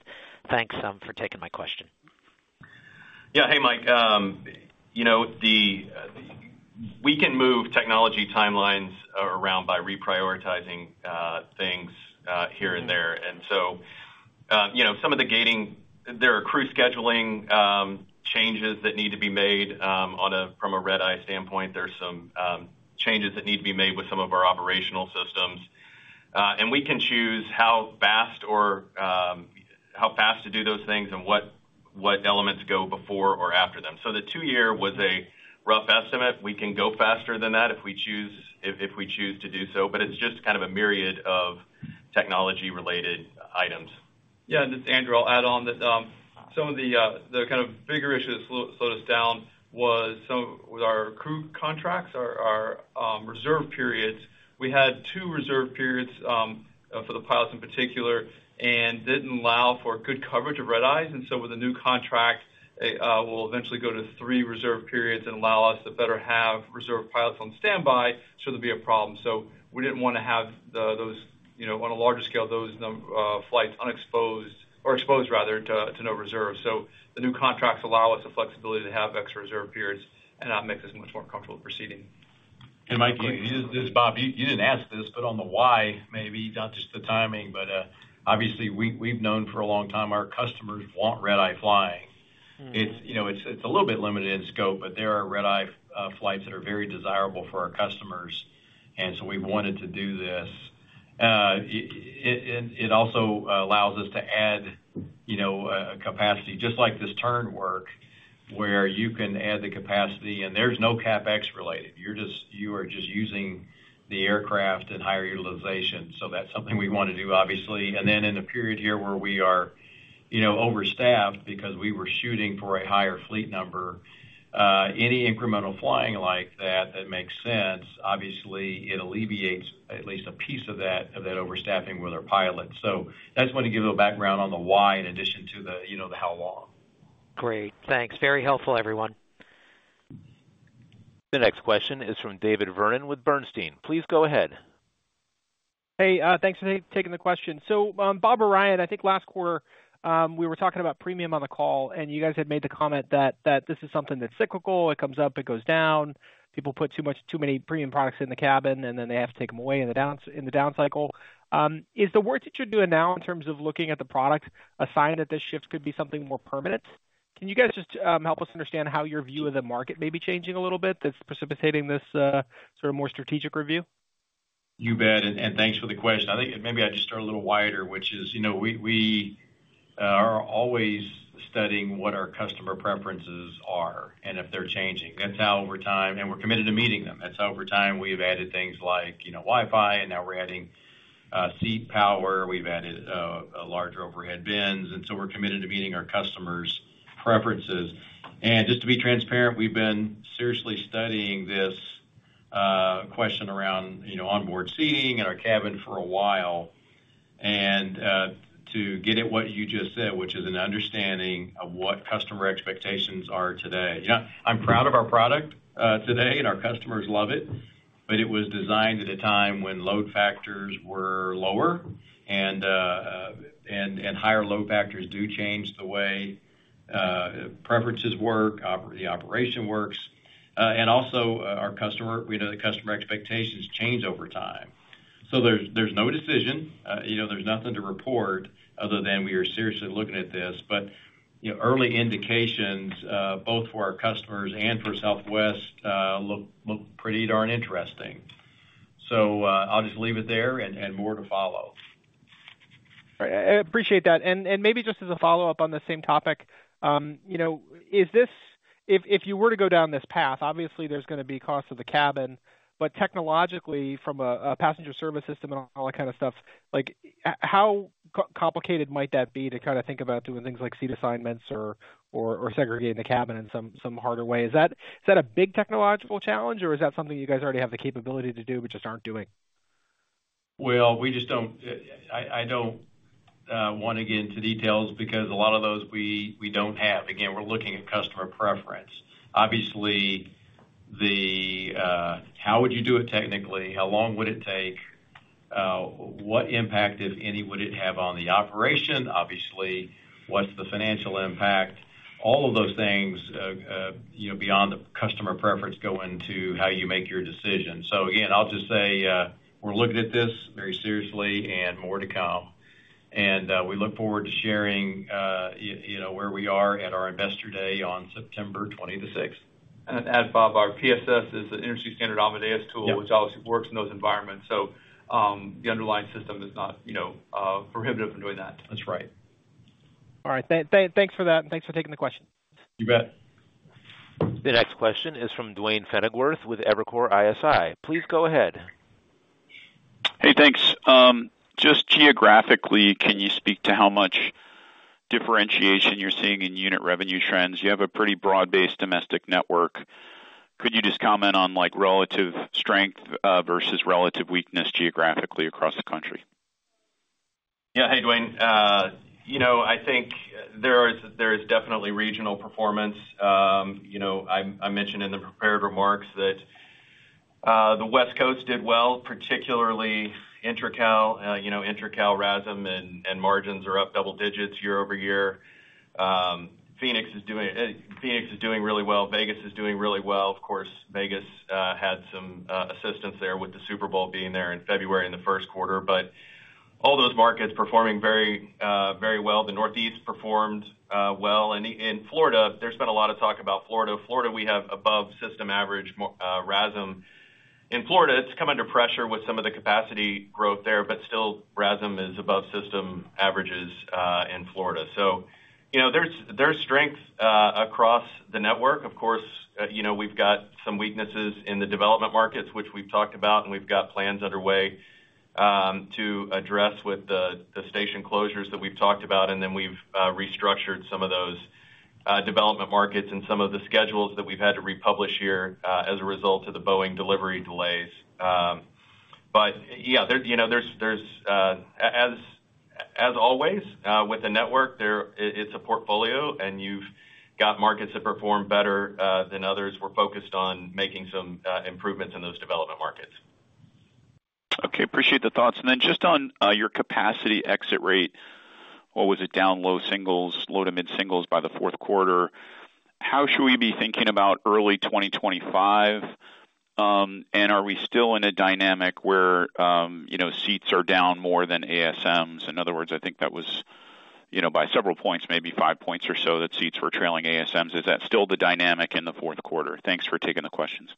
S7: Thanks, for taking my question.
S5: Yeah. Hey, Mike. You know, we can move technology timelines around by reprioritizing things here and there. And so, you know, some of the gating, there are crew scheduling changes that need to be made from a red-eye standpoint. There's some changes that need to be made with some of our operational systems. And we can choose how fast or how fast to do those things and what elements go before or after them. So the two-year was a rough estimate. We can go faster than that if we choose, if we choose to do so, but it's just kind of a myriad of technology-related items.
S6: Yeah, and it's Andrew. I'll add on that, some of the kind of bigger issues that slowed us down was some with our crew contracts, our reserve periods. We had two reserve periods for the pilots in particular, and didn't allow for good coverage of red-eyes. And so with the new contract, we'll eventually go to three reserve periods and allow us to better have reserve pilots on standby, so there'll be a problem. So we didn't wanna have the, those, you know, on a larger scale, those flights unexposed or exposed rather, to no reserve. So the new contracts allow us the flexibility to have extra reserve periods, and that makes us much more comfortable proceeding.
S3: Hey, Mike, this is Bob. You didn't ask this, but on the why, maybe not just the timing, but obviously we've known for a long time our customers want red-eye flying. It's, you know, it's a little bit limited in scope, but there are red-eye flights that are very desirable for our customers, and so we've wanted to do this. It also allows us to add, you know, capacity, just like this turn work, where you can add the capacity, and there's no CapEx related. You're just using the aircraft and higher utilization. So that's something we wanna do, obviously. And then in the period here, where we are, you know, overstaffed because we were shooting for a higher fleet number, any incremental flying like that, that makes sense, obviously, it alleviates at least a piece of that, of that overstaffing with our pilots. So that's when to give a little background on the why, in addition to the, you know, the how long.
S7: Great. Thanks. Very helpful, everyone.
S1: The next question is from David Vernon with Bernstein. Please go ahead.
S8: Hey, thanks for taking the question. So, Bob or Ryan, I think last quarter, we were talking about premium on the call, and you guys had made the comment that, that this is something that's cyclical. It comes up, it goes down. People put too much, too many premium products in the cabin, and then they have to take them away in the down, in the down cycle. Is the work that you're doing now, in terms of looking at the product, a sign that this shift could be something more permanent? Can you guys just, help us understand how your view of the market may be changing a little bit, that's precipitating this, sort of more strategic review?
S3: You bet. And thanks for the question. I think maybe I just start a little wider, which is, you know, we are always studying what our customer preferences are, and if they're changing. That's how over time... We're committed to meeting them. That's how over time, we've added things like, you know, Wi-Fi, and now we're adding seat power. We've added larger overhead bins, and so we're committed to meeting our customers' preferences. And just to be transparent, we've been seriously studying this question around, you know, onboard seating in our cabin for a while, and to get at what you just said, which is an understanding of what customer expectations are today. You know, I'm proud of our product today, and our customers love it, but it was designed at a time when load factors were lower, and higher load factors do change the way preferences work, the operation works, and also our customer—we know the customer expectations change over time. So there's no decision, you know, there's nothing to report other than we are seriously looking at this. But you know, early indications both for our customers and for Southwest look pretty darn interesting. So I'll just leave it there and more to follow.
S8: All right. I appreciate that. And maybe just as a follow-up on the same topic, you know, is this... If you were to go down this path, obviously there's gonna be costs of the cabin, but technologically, from a passenger service system and all that kind of stuff, like, how complicated might that be to kind of think about doing things like seat assignments or segregating the cabin in some harder way? Is that a big technological challenge, or is that something you guys already have the capability to do, but just aren't doing?
S3: Well, we just don't want to get into details because a lot of those we don't have. Again, we're looking at customer preference. Obviously, how would you do it technically? How long would it take? What impact, if any, would it have on the operation? Obviously, what's the financial impact? All of those things, you know, beyond the customer preference, go into how you make your decision. So again, I'll just say, we're looking at this very seriously, and more to come... and we look forward to sharing, you know, where we are at our Investor Day on September 26th.
S5: To add, Bob, our PSS is an industry standard Amadeus tool.
S3: Yep.
S5: - which obviously works in those environments. So, the underlying system is not, you know, prohibitive in doing that.
S3: That's right.
S8: All right. Thanks for that, and thanks for taking the question.
S3: You bet.
S1: The next question is from Duane Pfennigwerth with Evercore ISI. Please go ahead.
S9: Hey, thanks. Just geographically, can you speak to how much differentiation you're seeing in unit revenue trends? You have a pretty broad-based domestic network. Could you just comment on, like, relative strength versus relative weakness geographically across the country?
S5: Yeah. Hey, Duane. You know, I think there is definitely regional performance. You know, I mentioned in the prepared remarks that the West Coast did well, particularly intra-Cal, you know, intra-Cal RASM, and margins are up double digits year-over-year. Phoenix is doing really well. Vegas is doing really well. Of course, Vegas had some assistance there with the Super Bowl being there in February in the first quarter. But all those markets performing very well. The Northeast performed well. And in Florida, there's been a lot of talk about Florida. Florida, we have above system average RASM. In Florida, it's come under pressure with some of the capacity growth there, but still, RASM is above system averages in Florida. So, you know, there's strength across the network. Of course, you know, we've got some weaknesses in the development markets, which we've talked about, and we've got plans underway to address with the station closures that we've talked about, and then we've restructured some of those development markets and some of the schedules that we've had to republish here as a result of the Boeing delivery delays. But yeah, there, you know, there's as always with the network, it's a portfolio, and you've got markets that perform better than others. We're focused on making some improvements in those development markets.
S9: Okay, appreciate the thoughts. Then just on your capacity exit rate, what was it? Down low singles, low to mid singles by the fourth quarter. How should we be thinking about early 2025? And are we still in a dynamic where, you know, seats are down more than ASMs? In other words, I think that was, you know, by several points, maybe five points or so, that seats were trailing ASMs. Is that still the dynamic in the fourth quarter? Thanks for taking the questions.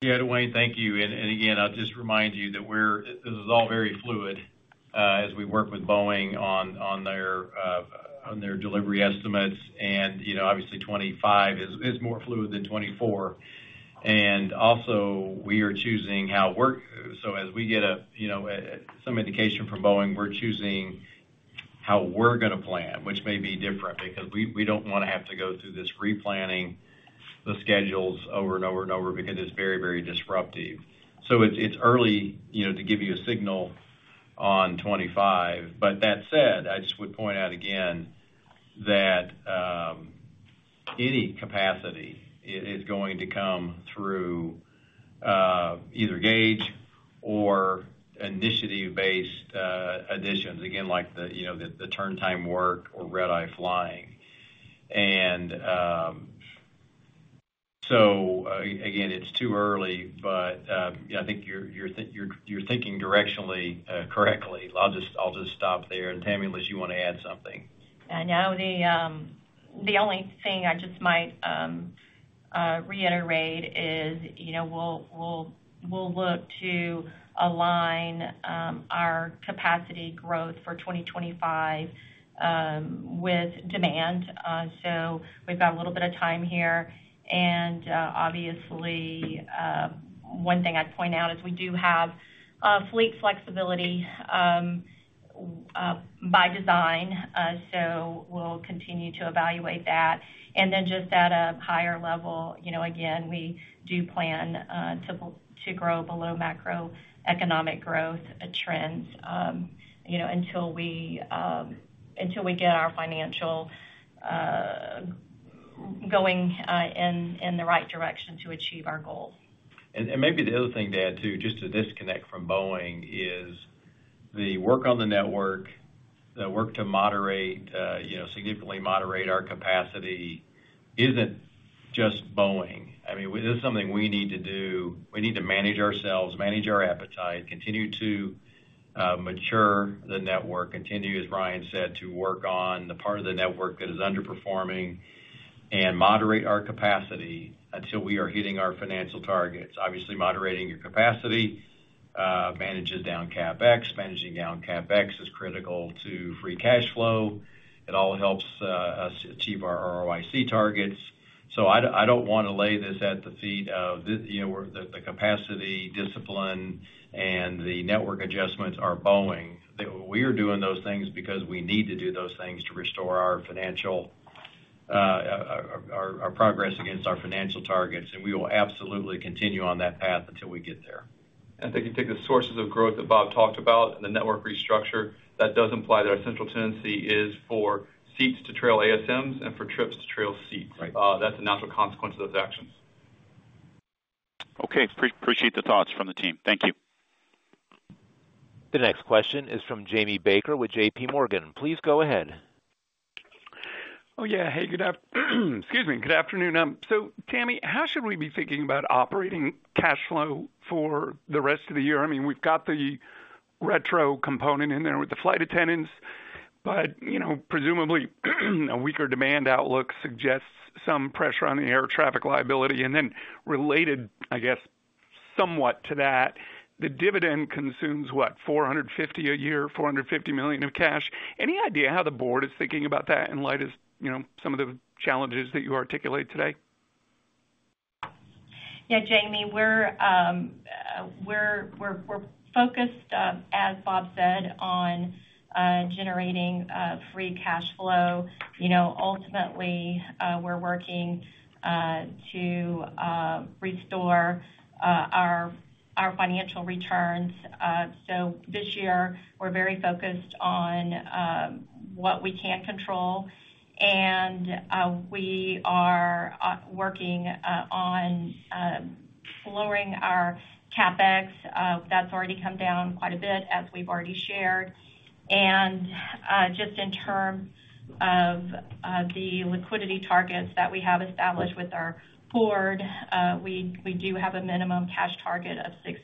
S3: Yeah, Duane, thank you. And again, I'll just remind you that we're—this is all very fluid as we work with Boeing on their delivery estimates. And, you know, obviously, 25 is more fluid than 24. And also, we are choosing how we're—so as we get, you know, some indication from Boeing, we're choosing how we're gonna plan, which may be different, because we don't wanna have to go through this replanning the schedules over and over and over, because it's very, very disruptive. So it's early, you know, to give you a signal on 25. But that said, I just would point out again that any capacity is going to come through either gauge or initiative-based additions, again, like the, you know, the turn time work or Red Eye flying. And, so again, it's too early, but yeah, I think you're thinking directionally correctly. I'll just stop there. And Tammy, unless you wanna add something?
S4: I know the only thing I just might reiterate is, you know, we'll look to align our capacity growth for 2025 with demand. So we've got a little bit of time here. And obviously one thing I'd point out is we do have fleet flexibility by design, so we'll continue to evaluate that. And then just at a higher level, you know, again, we do plan to grow below macroeconomic growth trends, you know, until we get our financial going in the right direction to achieve our goals.
S3: And maybe the other thing to add, too, just to disconnect from Boeing, is the work on the network, the work to moderate, you know, significantly moderate our capacity, isn't just Boeing. I mean, this is something we need to do. We need to manage ourselves, manage our appetite, continue to mature the network, continue, as Ryan said, to work on the part of the network that is underperforming and moderate our capacity until we are hitting our financial targets. Obviously, moderating your capacity, manages down CapEx. Managing down CapEx is critical to free cash flow. It all helps us achieve our ROIC targets. So I don't wanna lay this at the feet of the, you know, the, the capacity, discipline, and the network adjustments are Boeing. We are doing those things because we need to do those things to restore our financial progress against our financial targets, and we will absolutely continue on that path until we get there.
S5: If you take the sources of growth that Bob talked about and the network restructure, that does imply that our central tendency is for seats to trail ASMs and for trips to trail seats.
S3: Right.
S5: That's a natural consequence of those actions.
S9: Okay. Appreciate the thoughts from the team. Thank you.
S1: The next question is from Jamie Baker with JPMorgan. Please go ahead. ...
S10: Oh, yeah. Hey, good afternoon. So, Tammy, how should we be thinking about operating cash flow for the rest of the year? I mean, we've got the retro component in there with the flight attendants, but, you know, presumably, a weaker demand outlook suggests some pressure on the air traffic liability. And then related, I guess, somewhat to that, the dividend consumes, what? $450 million a year, $450 million of cash. Any idea how the board is thinking about that in light of, you know, some of the challenges that you articulate today?
S4: Yeah, Jamie, we're focused, as Bob said, on generating free cash flow. You know, ultimately, we're working to restore our financial returns. So this year, we're very focused on what we can control, and we are working on lowering our CapEx. That's already come down quite a bit, as we've already shared. And just in terms of the liquidity targets that we have established with our board, we do have a minimum cash target of $6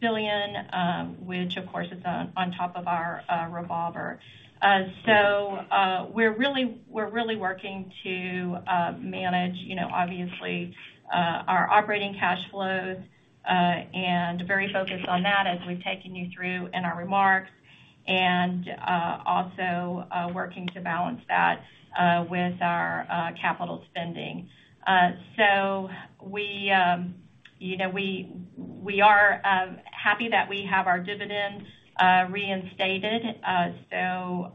S4: billion, which, of course, is on top of our revolver. So, we're really working to manage, you know, obviously, our operating cash flows, and very focused on that as we've taken you through in our remarks, and also working to balance that with our capital spending. So we, you know, we are happy that we have our dividend reinstated. So,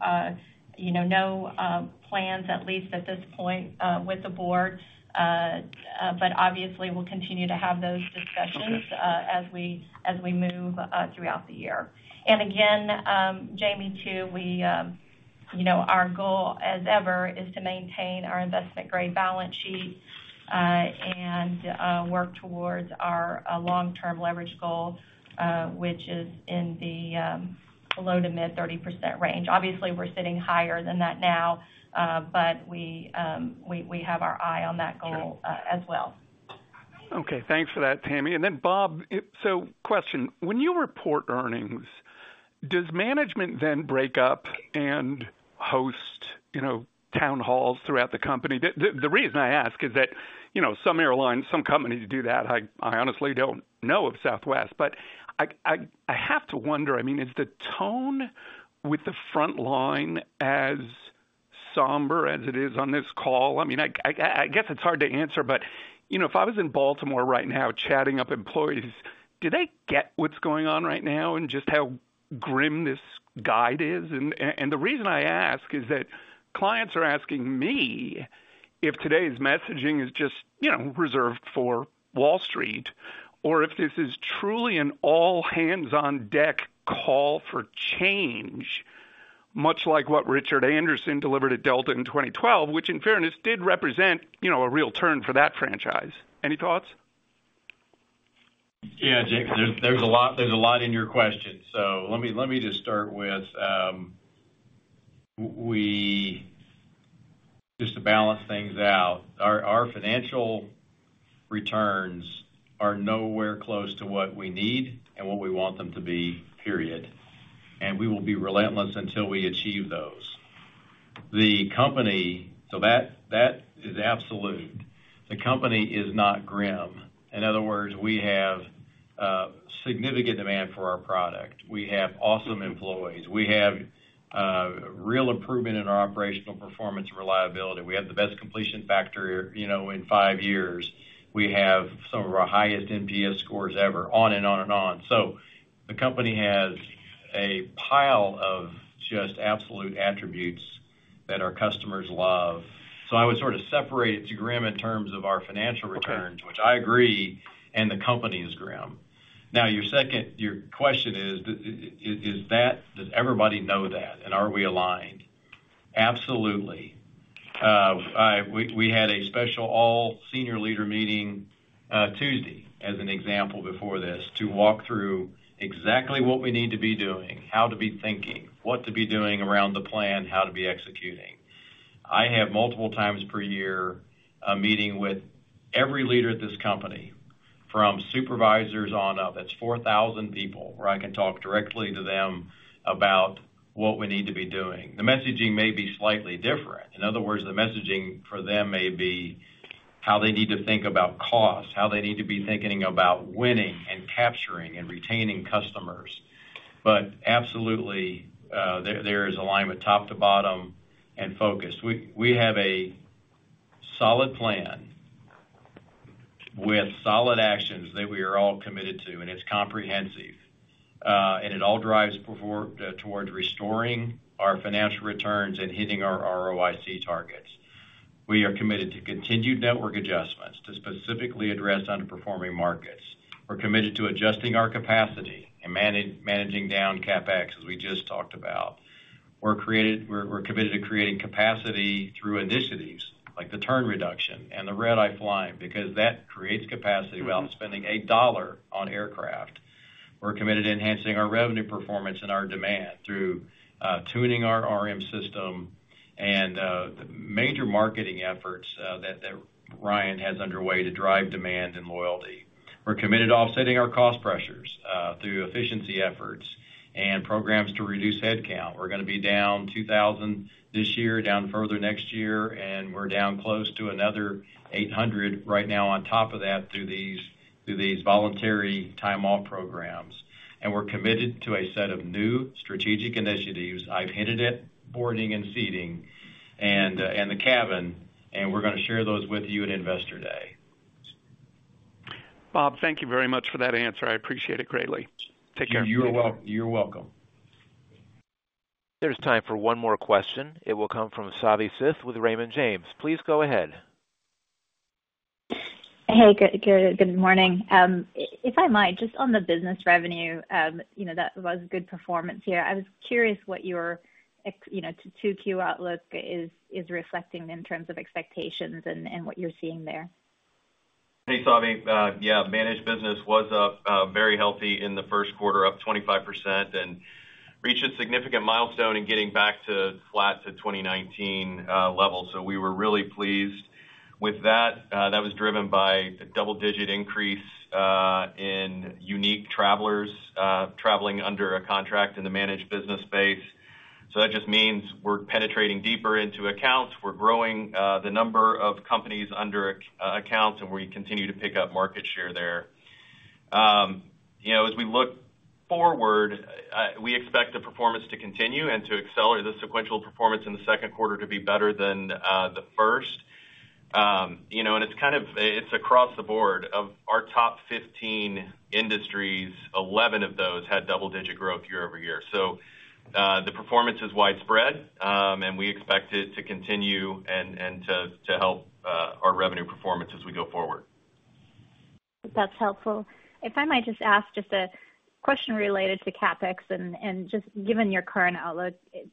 S4: you know, no plans, at least at this point, with the board, but obviously, we'll continue to have those discussions-
S10: Okay.
S4: As we move throughout the year. And again, Jamie, too, you know, our goal, as ever, is to maintain our investment-grade balance sheet, and work towards our long-term leverage goal, which is in the low-to-mid 30% range. Obviously, we're sitting higher than that now, but we have our eye on that goal, as well.
S10: Okay, thanks for that, Tammy. And then, Bob, so question: when you report earnings, does management then break up and host, you know, town halls throughout the company? The reason I ask is that, you know, some airlines, some companies do that. I honestly don't know of Southwest, but I have to wonder, I mean, is the tone with the front line as somber as it is on this call? I mean, I guess it's hard to answer, but, you know, if I was in Baltimore right now, chatting up employees, do they get what's going on right now and just how grim this guide is? The reason I ask is that clients are asking me if today's messaging is just, you know, reserved for Wall Street, or if this is truly an all hands on deck call for change, much like what Richard Anderson delivered at Delta in 2012, which in fairness, did represent, you know, a real turn for that franchise. Any thoughts?
S3: Yeah, Jamie, there's a lot in your question. So let me just start with we just to balance things out, our financial returns are nowhere close to what we need and what we want them to be, period. And we will be relentless until we achieve those. The company. So that is absolute. The company is not grim. In other words, we have significant demand for our product. We have awesome employees. We have real improvement in our operational performance and reliability. We have the best completion factor, you know, in five years. We have some of our highest NPS scores ever, on and on and on. So the company has a pile of just absolute attributes that our customers love. So I would sort of separate it to grim in terms of our financial returns-
S10: Okay.
S3: which I agree, and the company is grim. Now, your second, your question is, is that, does everybody know that? And are we aligned? Absolutely. We had a special all senior leader meeting, Tuesday, as an example, before this, to walk through exactly what we need to be doing, how to be thinking, what to be doing around the plan, how to be executing. I have multiple times per year, a meeting with every leader at this company, from supervisors on up. That's 4,000 people, where I can talk directly to them about what we need to be doing. The messaging may be slightly different. In other words, the messaging for them may be how they need to think about cost, how they need to be thinking about winning and capturing and retaining customers. But absolutely, there is alignment top to bottom and focused. We have a solid plan with solid actions that we are all committed to, and it's comprehensive, and it all drives performance towards restoring our financial returns and hitting our ROIC targets. We are committed to continued network adjustments to specifically address underperforming markets. We're committed to adjusting our capacity and managing down CapEx, as we just talked about. We're committed to creating capacity through efficiency, like the turn reduction and the red-eye flying, because that creates capacity without spending a dollar on aircraft. We're committed to enhancing our revenue performance and our demand through tuning our RM system and the major marketing efforts that Ryan has underway to drive demand and loyalty. We're committed to offsetting our cost pressures through efficiency efforts and programs to reduce headcount. We're gonna be down 2,000 this year, down further next year, and we're down close to another 800 right now on top of that, through these, through these voluntary time-off programs. We're committed to a set of new strategic initiatives. I've hinted at boarding and seating and, and the cabin, and we're gonna share those with you at Investor Day.
S10: Bob, thank you very much for that answer. I appreciate it greatly. Take care.
S3: You're welcome.
S1: There's time for one more question. It will come from Savi Syth with Raymond James. Please go ahead.
S11: Hey, good, good morning. If I might, just on the business revenue, you know, that was good performance here. I was curious what your 2Q outlook is reflecting in terms of expectations and what you're seeing there.
S5: Hey, Savi, yeah, managed business was up, very healthy in the first quarter, up 25%, and reached a significant milestone in getting back to flat to 2019 level. So we were really pleased with that. That was driven by a double-digit increase in unique travelers traveling under a contract in the managed business space. So that just means we're penetrating deeper into accounts. We're growing the number of companies under accounts, and we continue to pick up market share there. You know, as we look forward, we expect the performance to continue and to accelerate the sequential performance in the second quarter to be better than the first. You know, and it's kind of- it's across the board. Of our top 15 industries, 11 of those had double-digit growth year-over-year. So, the performance is widespread, and we expect it to continue and to help our revenue performance as we go forward.
S11: That's helpful. If I might just ask a question related to CapEx and just given your current outlook, thoughts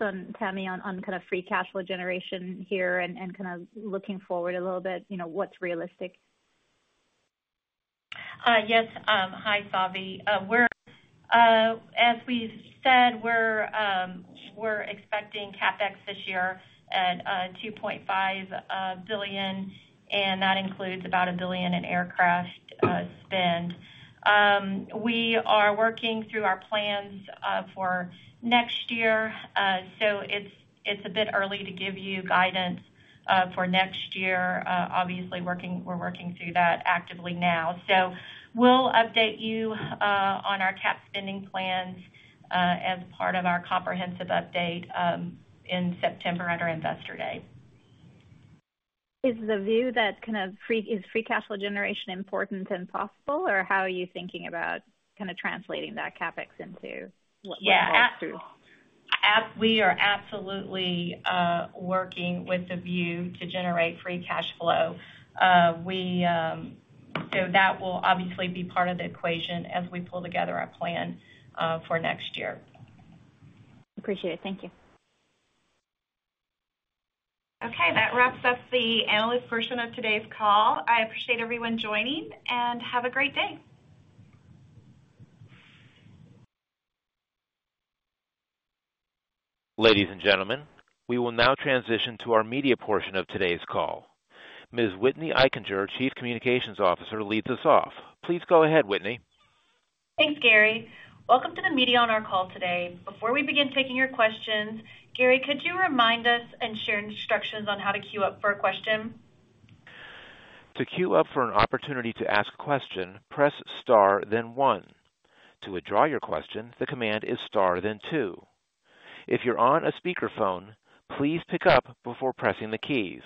S11: on Tammy on kind of free cash flow generation here and kind of looking forward a little bit, you know, what's realistic?
S4: Yes. Hi, Savi. As we said, we're expecting CapEx this year at $2.5 billion, and that includes about $1 billion in aircraft spend. We are working through our plans for next year. So it's a bit early to give you guidance for next year. Obviously, we're working through that actively now. So we'll update you on our CapEx spending plans as part of our comprehensive update in September at our Investor Day.
S11: Is free cash flow generation important and possible, or how are you thinking about kind of translating that CapEx into what goes through?
S4: Yeah, we are absolutely working with the view to generate free cash flow. So that will obviously be part of the equation as we pull together our plan for next year.
S11: Appreciate it. Thank you.
S4: Okay, that wraps up the analyst portion of today's call. I appreciate everyone joining, and have a great day.
S1: Ladies and gentlemen, we will now transition to our media portion of today's call. Ms. Whitney Eichinger, Chief Communications Officer, leads us off. Please go ahead, Whitney.
S12: Thanks, Gary. Welcome to the media on our call today. Before we begin taking your questions, Gary, could you remind us and share instructions on how to queue up for a question?
S1: To queue up for an opportunity to ask a question, press star, then one. To withdraw your question, the command is star, then two. If you're on a speakerphone, please pick up before pressing the keys.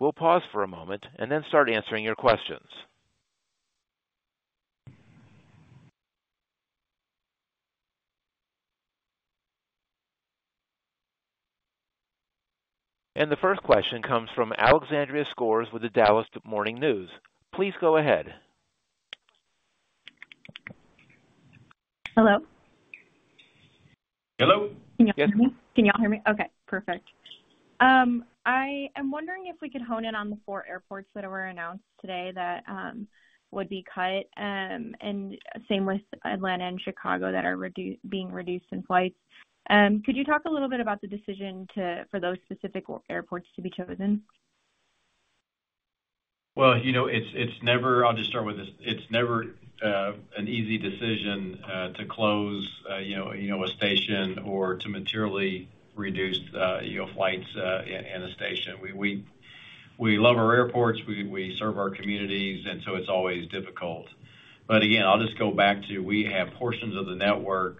S1: We'll pause for a moment and then start answering your questions. The first question comes from Alexandra Skores with the Dallas Morning News. Please go ahead.
S13: Hello?
S3: Hello.
S13: Can you all hear me? Can you all hear me? Okay, perfect. I am wondering if we could hone in on the four airports that were announced today that would be cut, and same with Atlanta and Chicago, that are being reduced in flights. Could you talk a little bit about the decision for those specific airports to be chosen?
S3: Well, you know, it's never... I'll just start with this: It's never an easy decision to close, you know, a station or to materially reduce, you know, flights in a station. We love our airports, we serve our communities, and so it's always difficult. But again, I'll just go back to, we have portions of the network,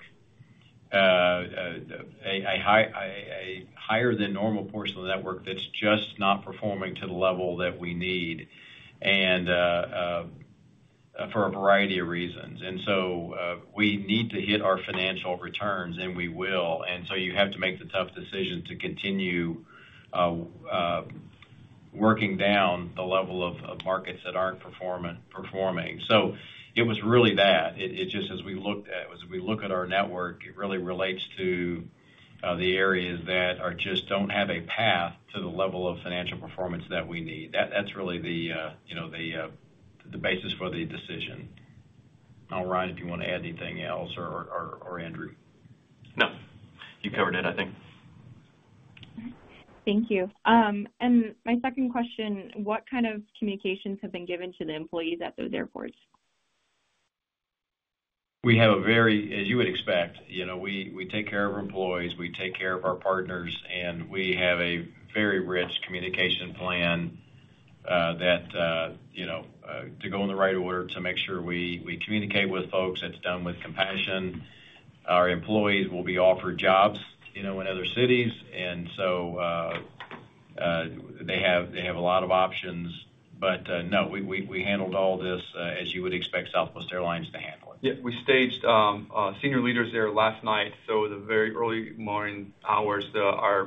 S3: a higher than normal portion of the network that's just not performing to the level that we need, and for a variety of reasons. And so we need to hit our financial returns, and we will. And so you have to make the tough decision to continue working down the level of markets that aren't performing. So it was really that. It just as we looked at, as we look at our network, it really relates to the areas that just don't have a path to the level of financial performance that we need. That's really the, you know, the basis for the decision. Now, Ryan, do you want to add anything else, or Andrew?
S5: No, you covered it, I think.
S13: Thank you. My second question: What kind of communications have been given to the employees at those airports?
S3: We have a very, as you would expect, you know, we take care of our employees, we take care of our partners, and we have a very rich communication plan, that you know, to go in the right order, to make sure we communicate with folks. It's done with compassion. Our employees will be offered jobs, you know, in other cities, and so, they have a lot of options. But, no, we handled all this, as you would expect Southwest Airlines to handle it.
S6: Yeah, we staged senior leaders there last night. So the very early morning hours, our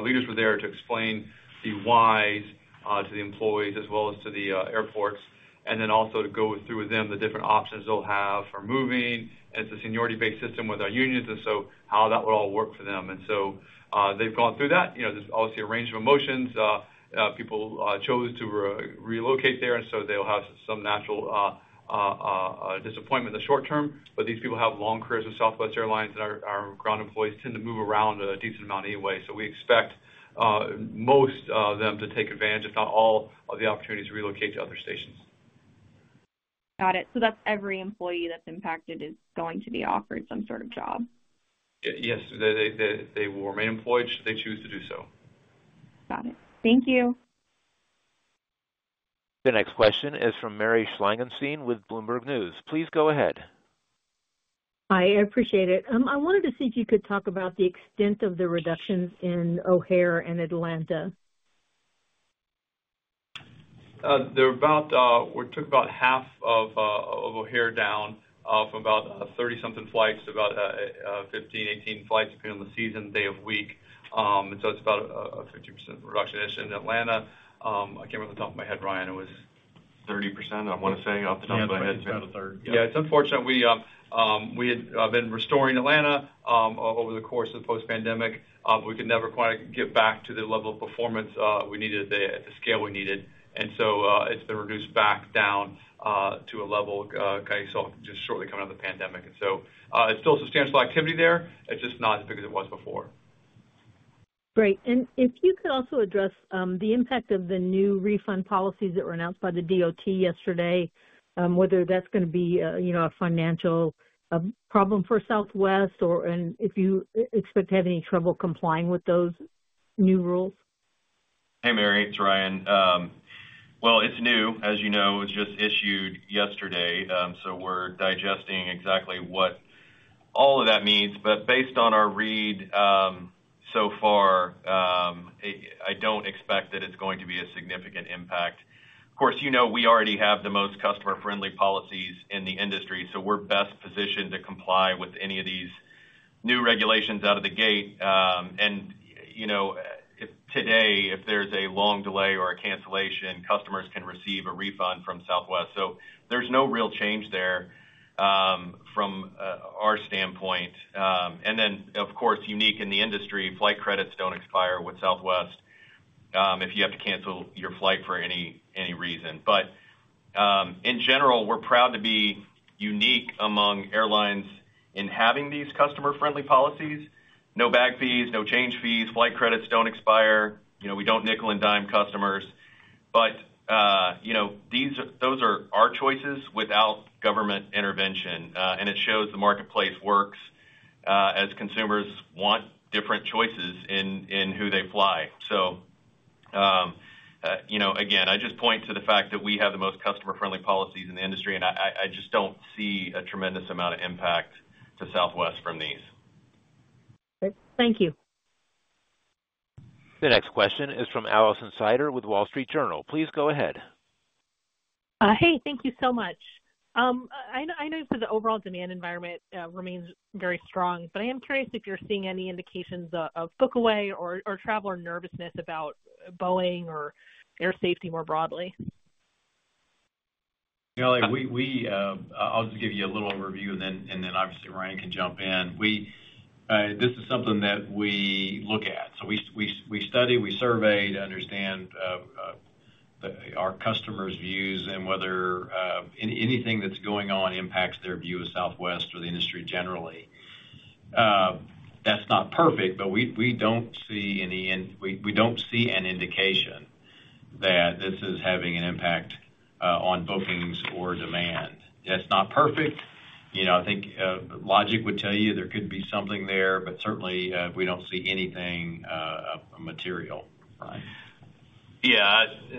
S6: leaders were there to explain the whys to the employees as well as to the airports, and then also to go through with them the different options they'll have for moving. It's a seniority-based system with our unions, and so how that would all work for them. And so, they've gone through that. You know, there's obviously a range of emotions. People chose to relocate there, and so they'll have some natural disappointment in the short term. But these people have long careers with Southwest Airlines, and our ground employees tend to move around a decent amount anyway. So we expect most of them to take advantage, if not all, of the opportunities to relocate to other stations.
S13: Got it. So that's every employee that's impacted is going to be offered some sort of job?
S6: Yes, they will remain employed should they choose to do so.
S13: Got it. Thank you.
S1: The next question is from Mary Schlangenstein with Bloomberg News. Please go ahead.
S14: Hi, I appreciate it. I wanted to see if you could talk about the extent of the reductions in O'Hare and Atlanta.
S6: They're about, we took about half of O'Hare down, from about 30-something flights to about 15, 18 flights, depending on the season, day of week. And so it's about a 50% reduction. In Atlanta, I can't remember off the top of my head, Ryan, it was-
S5: 30%, I want to say, off the top of my head.
S6: Yeah, it's about a third. Yeah, it's unfortunate. We had been restoring Atlanta over the course of the post-pandemic. We could never quite get back to the level of performance we needed at the scale we needed. And so, it's been reduced back down to a level kind of so just shortly coming out of the pandemic. And so, it's still substantial activity there. It's just not as big as it was before.
S14: Great. And if you could also address the impact of the new refund policies that were announced by the DOT yesterday, whether that's gonna be a, you know, a financial problem for Southwest, or, and if you expect to have any trouble complying with those new rules.
S5: Hey, Mary, it's Ryan. Well, it's new. As you know, it was just issued yesterday, so we're digesting exactly what all of that means. But based on our read, so far, I don't expect that it's going to be a significant impact. Of course, you know, we already have the most customer-friendly policies in the industry, so we're best positioned to comply with any of these new regulations out of the gate. And, you know, if today, if there's a long delay or a cancellation, customers can receive a refund from Southwest. So there's no real change there, from our standpoint. And then, of course, unique in the industry, flight credits don't expire with Southwest, if you have to cancel your flight for any reason. But, in general, we're proud to be unique among airlines in having these customer-friendly policies. No bag fees, no change fees, flight credits don't expire, you know, we don't nickel and dime customers. But, you know, these are, those are our choices without government intervention, and it shows the marketplace works, as consumers want different choices in who they fly. So, you know, again, I just point to the fact that we have the most customer-friendly policies in the industry, and I just don't see a tremendous amount of impact to Southwest from these.
S14: Great. Thank you.
S1: The next question is from Alison Sider with Wall Street Journal. Please go ahead.
S15: Hey, thank you so much. I know that the overall demand environment remains very strong, but I am curious if you're seeing any indications of book away or traveler nervousness about Boeing or air safety more broadly?
S3: You know, I'll just give you a little overview, and then obviously, Ryan can jump in. This is something that we look at. So we study, we survey to understand our customers' views and whether anything that's going on impacts their view of Southwest or the industry generally. That's not perfect, but we don't see an indication that this is having an impact on bookings or demand. That's not perfect. You know, I think logic would tell you there could be something there, but certainly we don't see anything material. Ryan?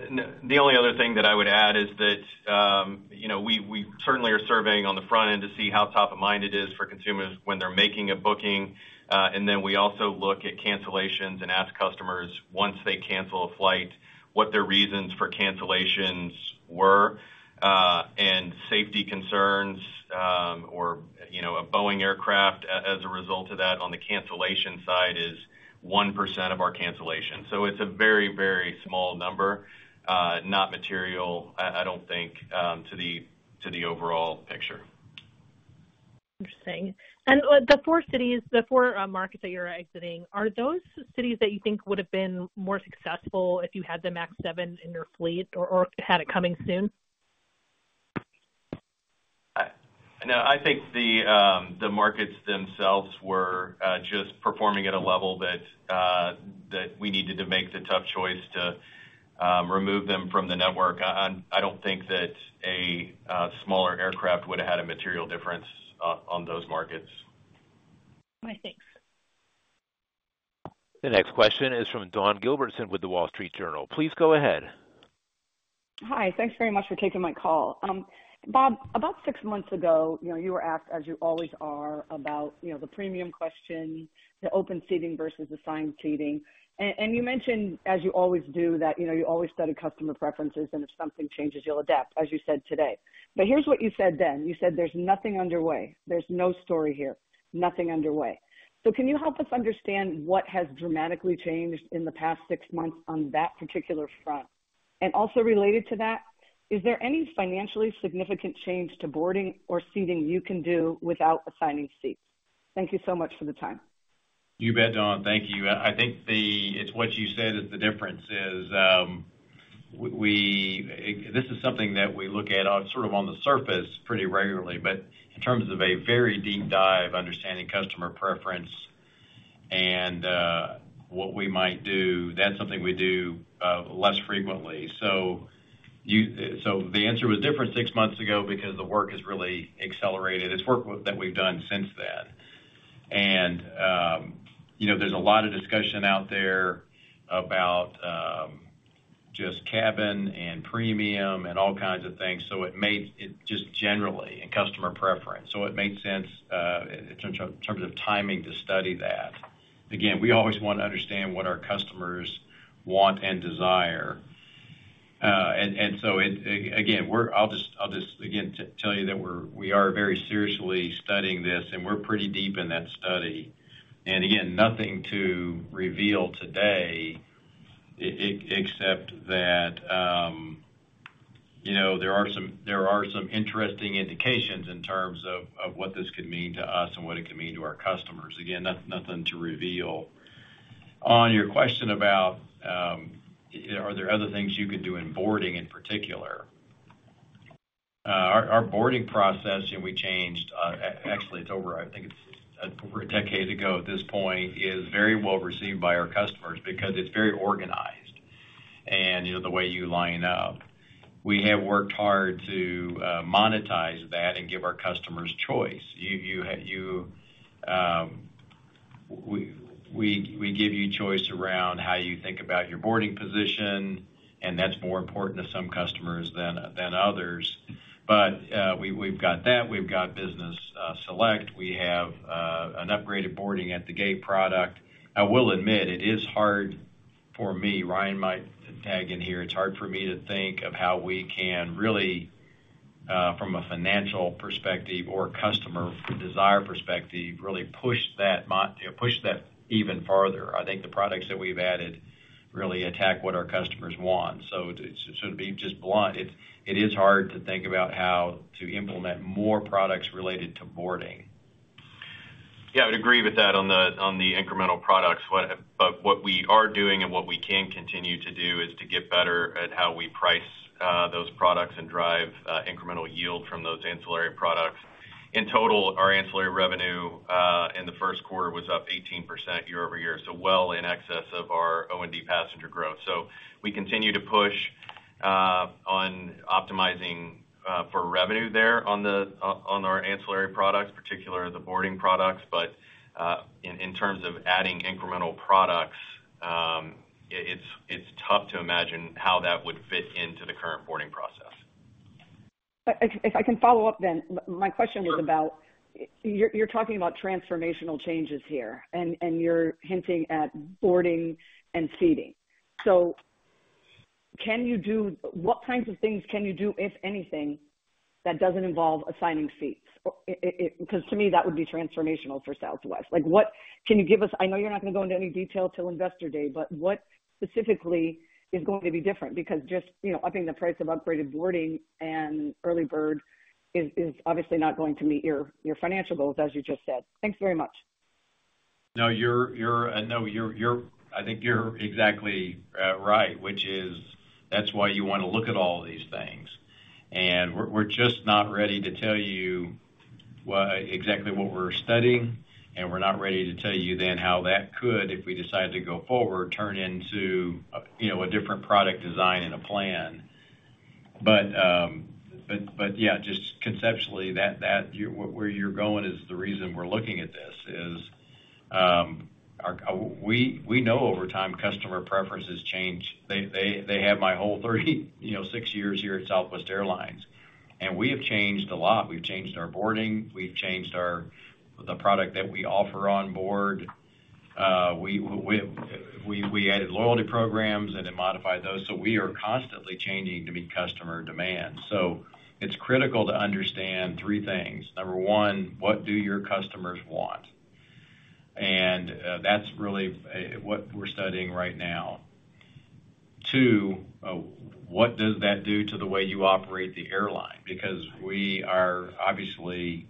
S5: Yeah. The only other thing that I would add is that, you know, we certainly are surveying on the front end to see how top of mind it is for consumers when they're making a booking. And then we also look at cancellations and ask customers, once they cancel a flight, what their reasons for cancellations were, and safety concerns-... result of that on the cancellation side is 1% of our cancellation. So it's a very, very small number, not material, I don't think, to the overall picture.
S15: Interesting. And, the four cities, the four, markets that you're exiting, are those cities that you think would have been more successful if you had the MAX 7 in your fleet or, or had it coming soon?
S5: No, I think the markets themselves were just performing at a level that we needed to make the tough choice to remove them from the network. I don't think that a smaller aircraft would have had a material difference on those markets.
S15: All right, thanks.
S1: The next question is from Dawn Gilbertson with The Wall Street Journal. Please go ahead.
S16: Hi, thanks very much for taking my call. Bob, about six months ago, you know, you were asked, as you always are, about, you know, the premium question, the open seating versus assigned seating. And you mentioned, as you always do, that, you know, you always study customer preferences, and if something changes, you'll adapt, as you said today. But here's what you said then: You said, "There's nothing underway. There's no story here. Nothing underway." So can you help us understand what has dramatically changed in the past six months on that particular front? And also related to that, is there any financially significant change to boarding or seating you can do without assigning seats? Thank you so much for the time.
S3: You bet, Dawn. Thank you. I think the... It's what you said is the difference is, this is something that we look at on, sort of on the surface pretty regularly, but in terms of a very deep dive, understanding customer preference and, what we might do, that's something we do, less frequently. So the answer was different six months ago because the work has really accelerated. It's work that we've done since then. And, you know, there's a lot of discussion out there about, just cabin and premium and all kinds of things, so it made-- it just generally in customer preference. So it made sense, in terms of, in terms of timing to study that. Again, we always want to understand what our customers want and desire. Again, I'll just tell you that we're very seriously studying this, and we're pretty deep in that study. Again, nothing to reveal today, except that, you know, there are some interesting indications in terms of what this could mean to us and what it could mean to our customers. Again, nothing to reveal. On your question about, are there other things you could do in boarding in particular? Our boarding process, and we changed, actually, it's over a decade ago at this point, is very well received by our customers because it's very organized and, you know, the way you line up. We have worked hard to monetize that and give our customers choice. We give you choice around how you think about your boarding position, and that's more important to some customers than others. But we've got that, we've got Business Select. We have an Upgraded Boarding at the gate product. I will admit it is hard for me, Ryan might tag in here. It's hard for me to think of how we can really, from a financial perspective or customer desire perspective, really push that even farther. I think the products that we've added really attack what our customers want. So to be just blunt, it is hard to think about how to implement more products related to boarding.
S5: Yeah, I would agree with that on the incremental products. But what we are doing and what we can continue to do is to get better at how we price those products and drive incremental yield from those ancillary products. In total, our ancillary revenue in the first quarter was up 18% year-over-year, so well in excess of our O&D passenger growth. So we continue to push on optimizing for revenue there on our ancillary products, particularly the boarding products. But in terms of adding incremental products, it's tough to imagine how that would fit into the current boarding process.
S16: If I can follow up then. My question was about...
S3: Sure.
S16: You're talking about transformational changes here, and you're hinting at boarding and seating. So can you do—what kinds of things can you do, if anything, that doesn't involve assigning seats? Or I—'cause to me, that would be transformational for Southwest. Like, what—can you give us... I know you're not gonna go into any detail till Investor Day, but what specifically is going to be different? Because just, you know, upping the price of Upgraded Boarding and EarlyBird is obviously not going to meet your financial goals, as you just said. Thanks very much.
S3: No, you're – I think you're exactly right, which is, that's why you wanna look at all these things. And we're just not ready to tell you what exactly we're studying, and we're not ready to tell you then how that could, if we decide to go forward, turn into, you know, a different product design and a plan. But yeah, just conceptually, that where you're going is the reason we're looking at this is our – we know over time, customer preferences change. They have my whole 36, you know, years here at Southwest Airlines, and we have changed a lot. We've changed our boarding, we've changed our, the product that we offer on board. We added loyalty programs and then modified those. So we are constantly changing to meet customer demand. So it's critical to understand three things. Number one, what do your customers want? And that's really what we're studying right now. Two, what does that do to the way you operate the airline? Because we are obviously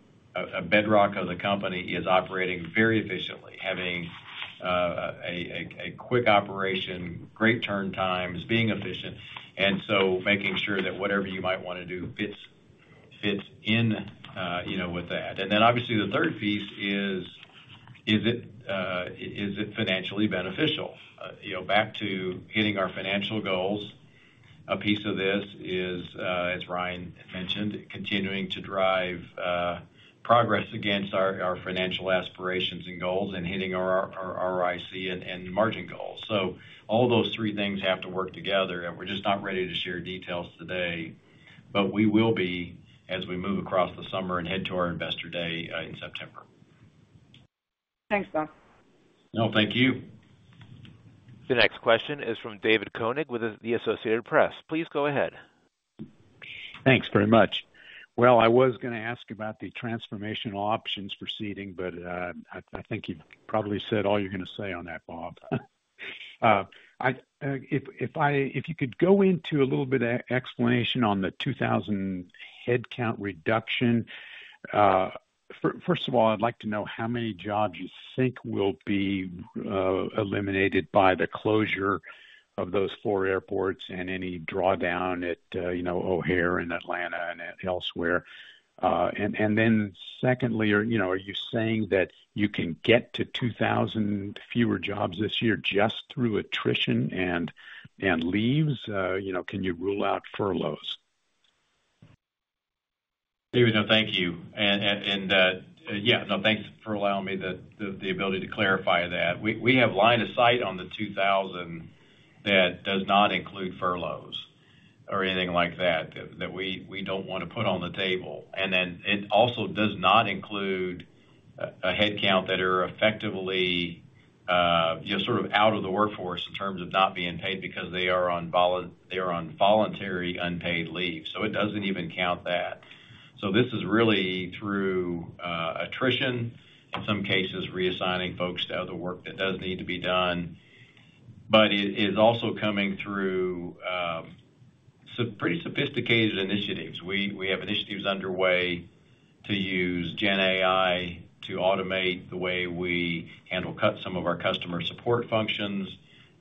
S3: a bedrock of the company is operating very efficiently, having a quick operation, great turn times, being efficient, and so making sure that whatever you might wanna do fits in, you know, with that. And then obviously, the third piece is, is it financially beneficial? You know, back to hitting our financial goals, a piece of this is, as Ryan mentioned, continuing to drive progress against our financial aspirations and goals and hitting our ROIC and margin goals. So all those three things have to work together, and we're just not ready to share details today, but we will be as we move across the summer and head to our Investor Day in September.
S16: Thanks, Bob.
S3: No, thank you.
S1: The next question is from David Koenig with The Associated Press. Please go ahead.
S17: Thanks very much. Well, I was gonna ask about the transformational options proceeding, but I think you've probably said all you're gonna say on that, Bob. If you could go into a little bit of explanation on the 2,000 headcount reduction. First of all, I'd like to know how many jobs you think will be eliminated by the closure of those four airports and any drawdown at, you know, O'Hare and Atlanta and elsewhere. And then secondly, you know, are you saying that you can get to 2,000 fewer jobs this year just through attrition and leaves? You know, can you rule out furloughs?
S3: David, no, thank you. Yeah, no, thanks for allowing me the ability to clarify that. We have line of sight on the 2,000 that does not include furloughs or anything like that, that we don't wanna put on the table. And then it also does not include a headcount that are effectively, you know, sort of out of the workforce in terms of not being paid because they are on voluntary unpaid leave, so it doesn't even count that. So this is really through attrition, in some cases, reassigning folks to other work that does need to be done, but it is also coming through so pretty sophisticated initiatives. We have initiatives underway to use GenAI to automate the way we handle some of our customer support functions,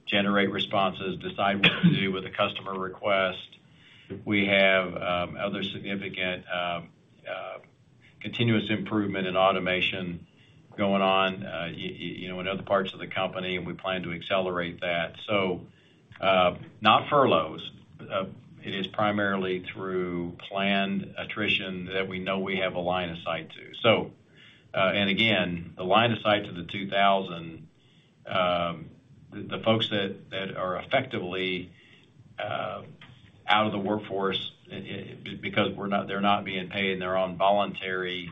S3: generate responses, decide what to do with a customer request. We have other significant continuous improvement in automation going on, you know, in other parts of the company, and we plan to accelerate that. So, not furloughs. It is primarily through planned attrition that we know we have a line of sight to. So, and again, the line of sight to the 2,000, the folks that are effectively out of the workforce, because they're not being paid and they're on voluntary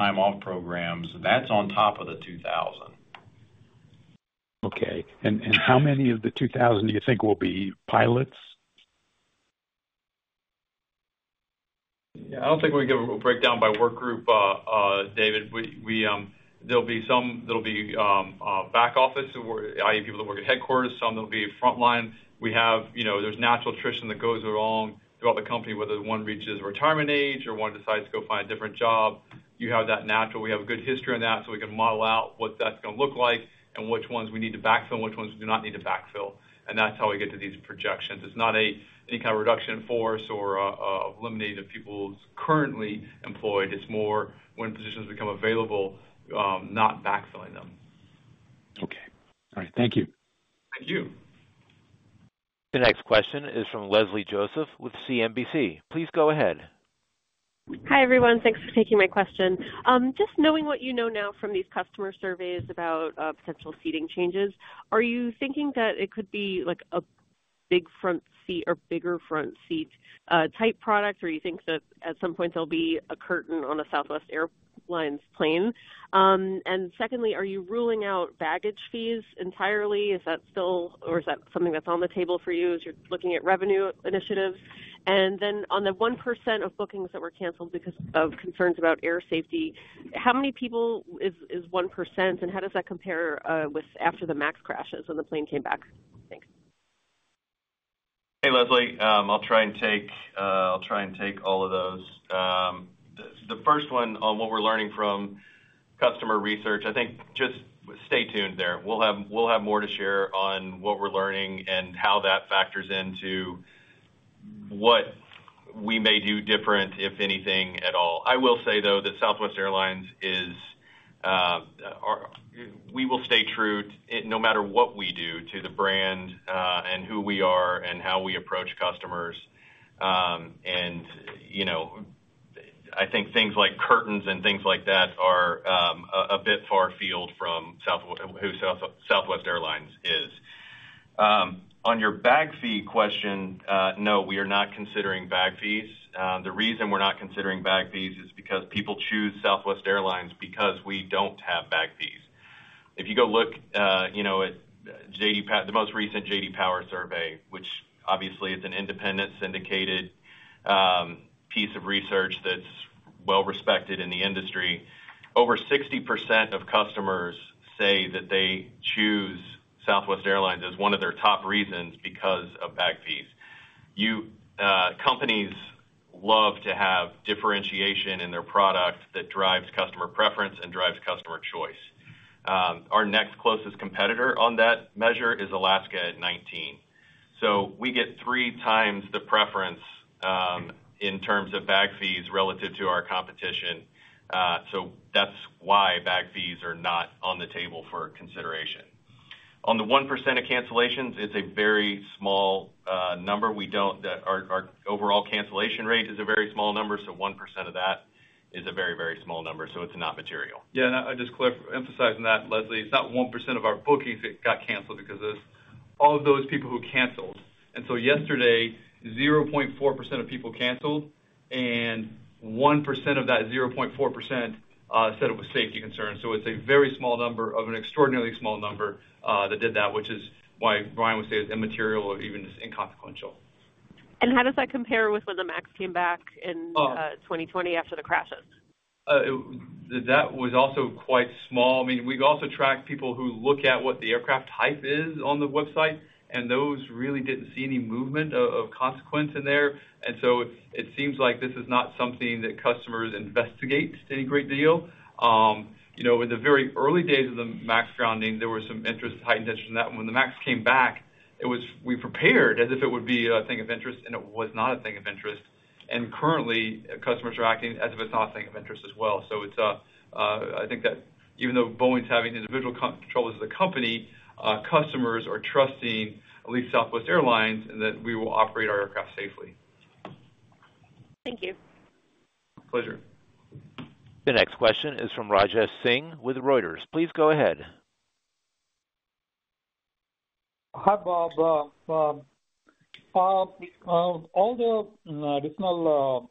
S3: time-off programs, that's on top of the 2,000.
S17: Okay. And how many of the 2,000 do you think will be pilots?
S6: Yeah, I don't think we give a breakdown by work group, David. We, there'll be some that'll be back office, where, i.e., people that work at headquarters, some that'll be frontline. We have, you know, there's natural attrition that goes along throughout the company, whether one reaches retirement age or one decides to go find a different job. You have that natural. We have a good history on that, so we can model out what that's gonna look like and which ones we need to backfill and which ones we do not need to backfill, and that's how we get to these projections. It's not a, any kind of reduction in force or, eliminating the people who's currently employed. It's more when positions become available, not backfilling them.
S17: Okay. All right, thank you.
S6: Thank you.
S1: The next question is from Leslie Josephs with CNBC. Please go ahead.
S18: Hi, everyone. Thanks for taking my question. Just knowing what you know now from these customer surveys about potential seating changes, are you thinking that it could be, like, a big front seat or bigger front seat type product, or you think that at some point there'll be a curtain on a Southwest Airlines plane? And secondly, are you ruling out baggage fees entirely? Is that still, or is that something that's on the table for you as you're looking at revenue initiatives? And then on the 1% of bookings that were canceled because of concerns about air safety, how many people is 1%, and how does that compare with after the MAX crashes, when the plane came back? Thanks.
S5: Hey, Leslie. I'll try and take all of those. The first one on what we're learning from customer research, I think just stay tuned there. We'll have more to share on what we're learning and how that factors into what we may do different, if anything, at all. I will say, though, that Southwest Airlines is—we will stay true, no matter what we do, to the brand, and who we are and how we approach customers. And, you know, I think things like curtains and things like that are a bit far field from Southwest—who Southwest Airlines is. On your bag fee question, no, we are not considering bag fees. The reason we're not considering bag fees is because people choose Southwest Airlines because we don't have bag fees. If you go look, you know, at J.D. Power-- the most recent J.D. Power survey, which obviously is an independent, syndicated, piece of research that's well-respected in the industry, over 60% of customers say that they choose Southwest Airlines as one of their top reasons because of bag fees. Companies love to have differentiation in their product that drives customer preference and drives customer choice. Our next closest competitor on that measure is Alaska at 19. So we get three times the preference, in terms of bag fees relative to our competition. So that's why bag fees are not on the table for consideration. On the 1% of cancellations, it's a very small, number. That our overall cancellation rate is a very small number, so 1% of that is a very, very small number, so it's not material.
S6: Yeah, and just clear, emphasizing that, Leslie, it's not 1% of our bookings that got canceled because of all of those people who canceled. And so yesterday, 0.4% of people canceled, and 1% of that 0.4%, said it was safety concerns. So it's a very small number of an extraordinarily small number, that did that, which is why Brian would say it's immaterial or even just inconsequential.
S18: How does that compare with when the MAX came back in 2020 after the crashes?
S6: That was also quite small. I mean, we've also tracked people who look at what the aircraft type is on the website, and those really didn't see any movement of consequence in there. And so it seems like this is not something that customers investigate any great deal. You know, in the very early days of the MAX grounding, there was some interest, heightened interest in that. When the MAX came back, it was, we prepared as if it would be a thing of interest, and it was not a thing of interest. And currently, customers are acting as if it's not a thing of interest as well. So it's, I think that even though Boeing is having individual control as a company, customers are trusting, at least Southwest Airlines, and that we will operate our aircraft safely.
S18: Thank you.
S6: Pleasure.
S1: The next question is from Rajesh Singh with Reuters. Please go ahead.
S19: Hi, Bob. All the additional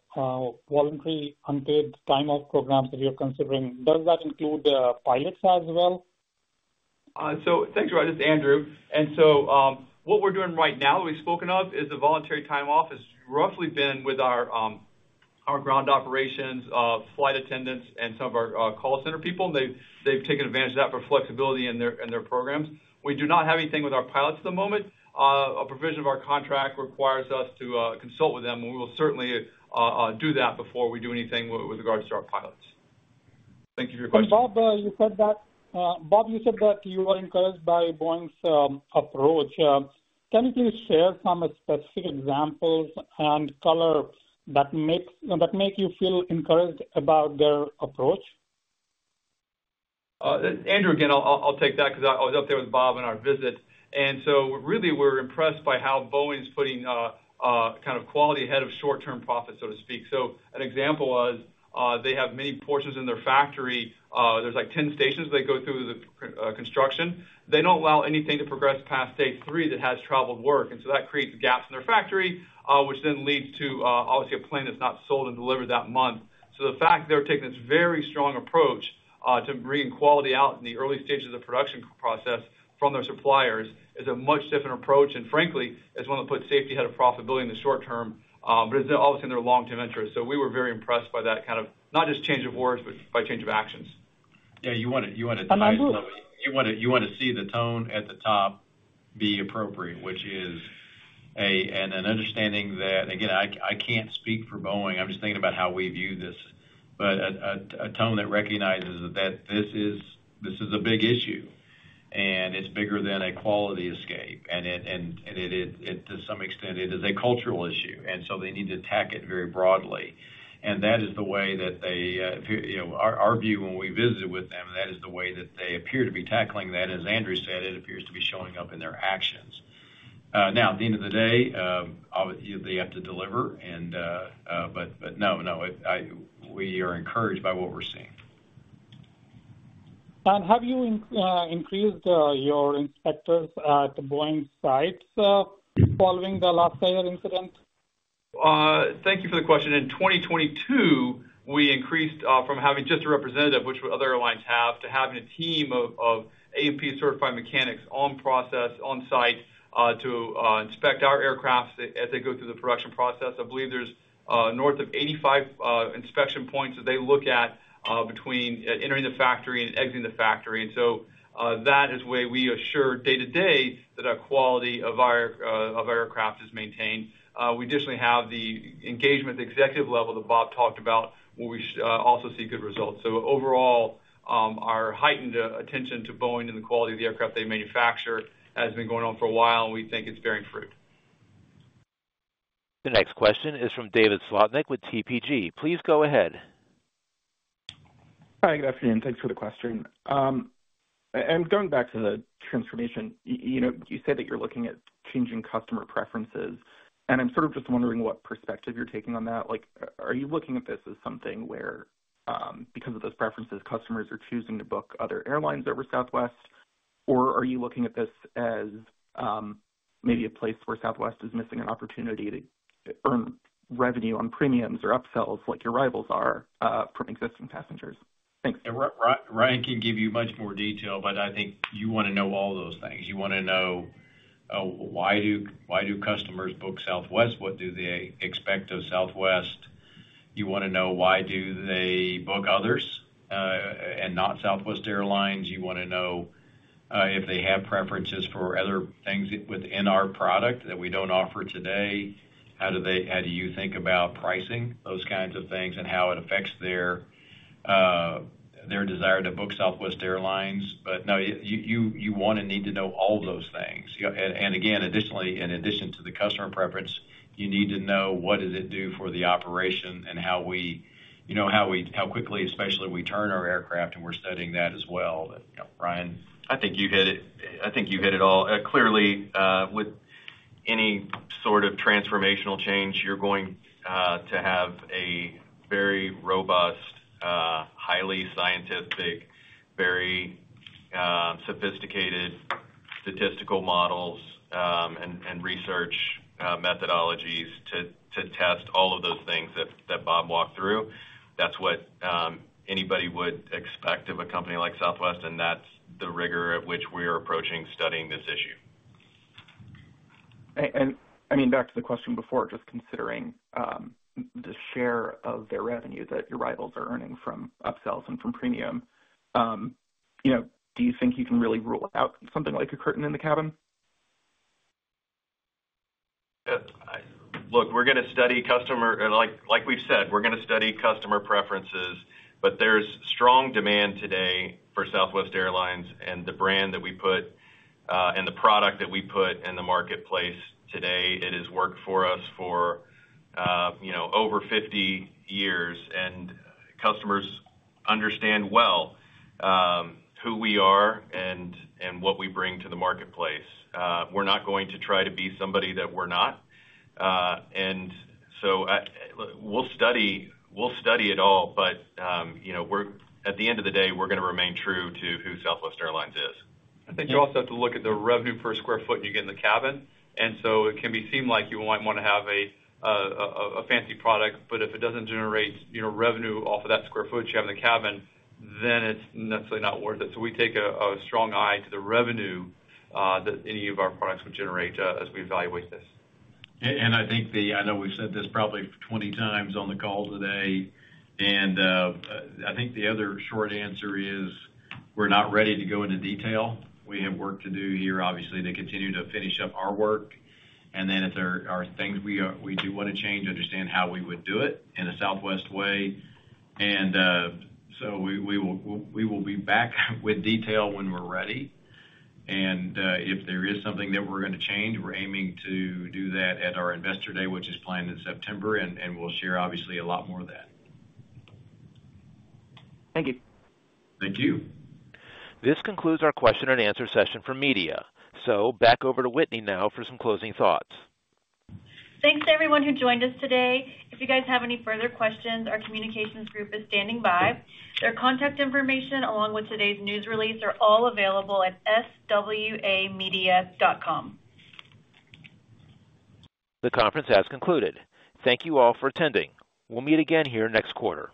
S19: voluntary unpaid time off programs that you're considering, does that include pilots as well?
S6: So thanks, Rajesh. It's Andrew. And so, what we're doing right now, that we've spoken of, is the voluntary time off. It's roughly been with our ground operations, flight attendants, and some of our call center people. They've taken advantage of that for flexibility in their programs. We do not have anything with our pilots at the moment. A provision of our contract requires us to consult with them, and we will certainly do that before we do anything with regards to our pilots. Thank you for your question.
S19: Bob, you said that you were encouraged by Boeing's approach. Can you please share some specific examples and color that makes, that make you feel encouraged about their approach?
S6: Andrew, again, I'll take that because I was up there with Bob on our visit. And so really, we're impressed by how Boeing is putting kind of quality ahead of short-term profit, so to speak. So an example was, they have many portions in their factory. There's like 10 stations they go through the construction. They don't allow anything to progress past stage three that has traveled work. And so that creates gaps in their factory, which then leads to, obviously, a plane that's not sold and delivered that month. So the fact they're taking this very strong approach to bringing quality out in the early stages of the production process from their suppliers is a much different approach, and frankly, is one that puts safety ahead of profitability in the short term, but it's obviously in their long-term interest. So we were very impressed by that kind of, not just change of words, but by change of actions.
S3: Yeah, you wanna-
S19: And I would-
S3: You wanna see the tone at the top be appropriate, which is an understanding that, again, I can't speak for Boeing, I'm just thinking about how we view this, but a tone that recognizes that this is a big issue, and it's bigger than a quality escape, and it to some extent is a cultural issue, and so they need to tackle it very broadly. And that is the way that they, you know, our view when we visited with them, that is the way that they appear to be tackling that. As Andrew said, it appears to be showing up in their actions. Now, at the end of the day, obviously, they have to deliver. But we are encouraged by what we're seeing.
S19: Have you increased your inspectors at the Boeing sites following the last failure incident?
S6: Thank you for the question. In 2022, we increased from having just a representative, which other airlines have, to having a team of A&P-certified mechanics in process, on site, to inspect our aircraft as they go through the production process. I believe there's north of 85 inspection points that they look at between entering the factory and exiting the factory. That is where we assure day-to-day that our quality of our aircraft is maintained. We additionally have the engagement executive level that Bob talked about, where we also see good results. So overall, our heightened attention to Boeing and the quality of the aircraft they manufacture has been going on for a while, and we think it's bearing fruit.
S1: The next question is from David Slotnick with TPG. Please go ahead.
S20: Hi, good afternoon. Thanks for the question. And going back to the transformation, you know, you said that you're looking at changing customer preferences, and I'm sort of just wondering what perspective you're taking on that. Like, are you looking at this as something where, because of those preferences, customers are choosing to book other airlines over Southwest? Or are you looking at this as, maybe a place where Southwest is missing an opportunity to earn revenue on premiums or upsells, like your rivals are, from existing passengers? Thanks.
S3: Ryan can give you much more detail, but I think you wanna know all those things. You wanna know why customers book Southwest. What do they expect of Southwest? You wanna know why they book others and not Southwest Airlines. You wanna know if they have preferences for other things within our product that we don't offer today. How do you think about pricing, those kinds of things, and how it affects their desire to book Southwest Airlines. But no, you need to know all of those things. And again, additionally, in addition to the customer preference, you need to know what it does for the operation and how we, you know, how quickly, especially, we turn our aircraft, and we're studying that as well. But, you know, Ryan?
S5: I think you hit it, I think you hit it all. Clearly, with any sort of transformational change, you're going to have a very robust, highly scientific, very sophisticated statistical models, and research methodologies to test all of those things that Bob walked through. That's what anybody would expect of a company like Southwest, and that's the rigor at which we are approaching studying this issue.
S20: I mean, back to the question before, just considering the share of their revenue that your rivals are earning from upsells and from premium, you know, do you think you can really rule out something like a curtain in the cabin?
S5: Look, we're gonna study customer, like, like we've said, we're gonna study customer preferences, but there's strong demand today for Southwest Airlines and the brand that we put, and the product that we put in the marketplace today. It has worked for us for, you know, over 50 years, and customers understand well, who we are and, and what we bring to the marketplace. We're not going to try to be somebody that we're not. And so look, we'll study, we'll study it all, but, you know, at the end of the day, we're gonna remain true to who Southwest Airlines is.
S6: I think you also have to look at the revenue per square foot you get in the cabin. And so it can seem like you might wanna have a fancy product, but if it doesn't generate, you know, revenue off of that square foot you have in the cabin, then it's necessarily not worth it. So we take a strong eye to the revenue that any of our products would generate as we evaluate this.
S3: And I think the... I know we've said this probably 20 times on the call today, and I think the other short answer is, we're not ready to go into detail. We have work to do here, obviously, to continue to finish up our work. And then if there are things we do wanna change, understand how we would do it in a Southwest way. So we will be back with detail when we're ready. If there is something that we're gonna change, we're aiming to do that at our Investor Day, which is planned in September, and we'll share obviously a lot more of that.
S20: Thank you.
S3: Thank you.
S1: This concludes our question and answer session for media. So back over to Whitney now for some closing thoughts.
S12: Thanks to everyone who joined us today. If you guys have any further questions, our communications group is standing by. Their contact information, along with today's news release, are all available at southwestmedia.com.
S1: The conference has concluded. Thank you all for attending. We'll meet again here next quarter.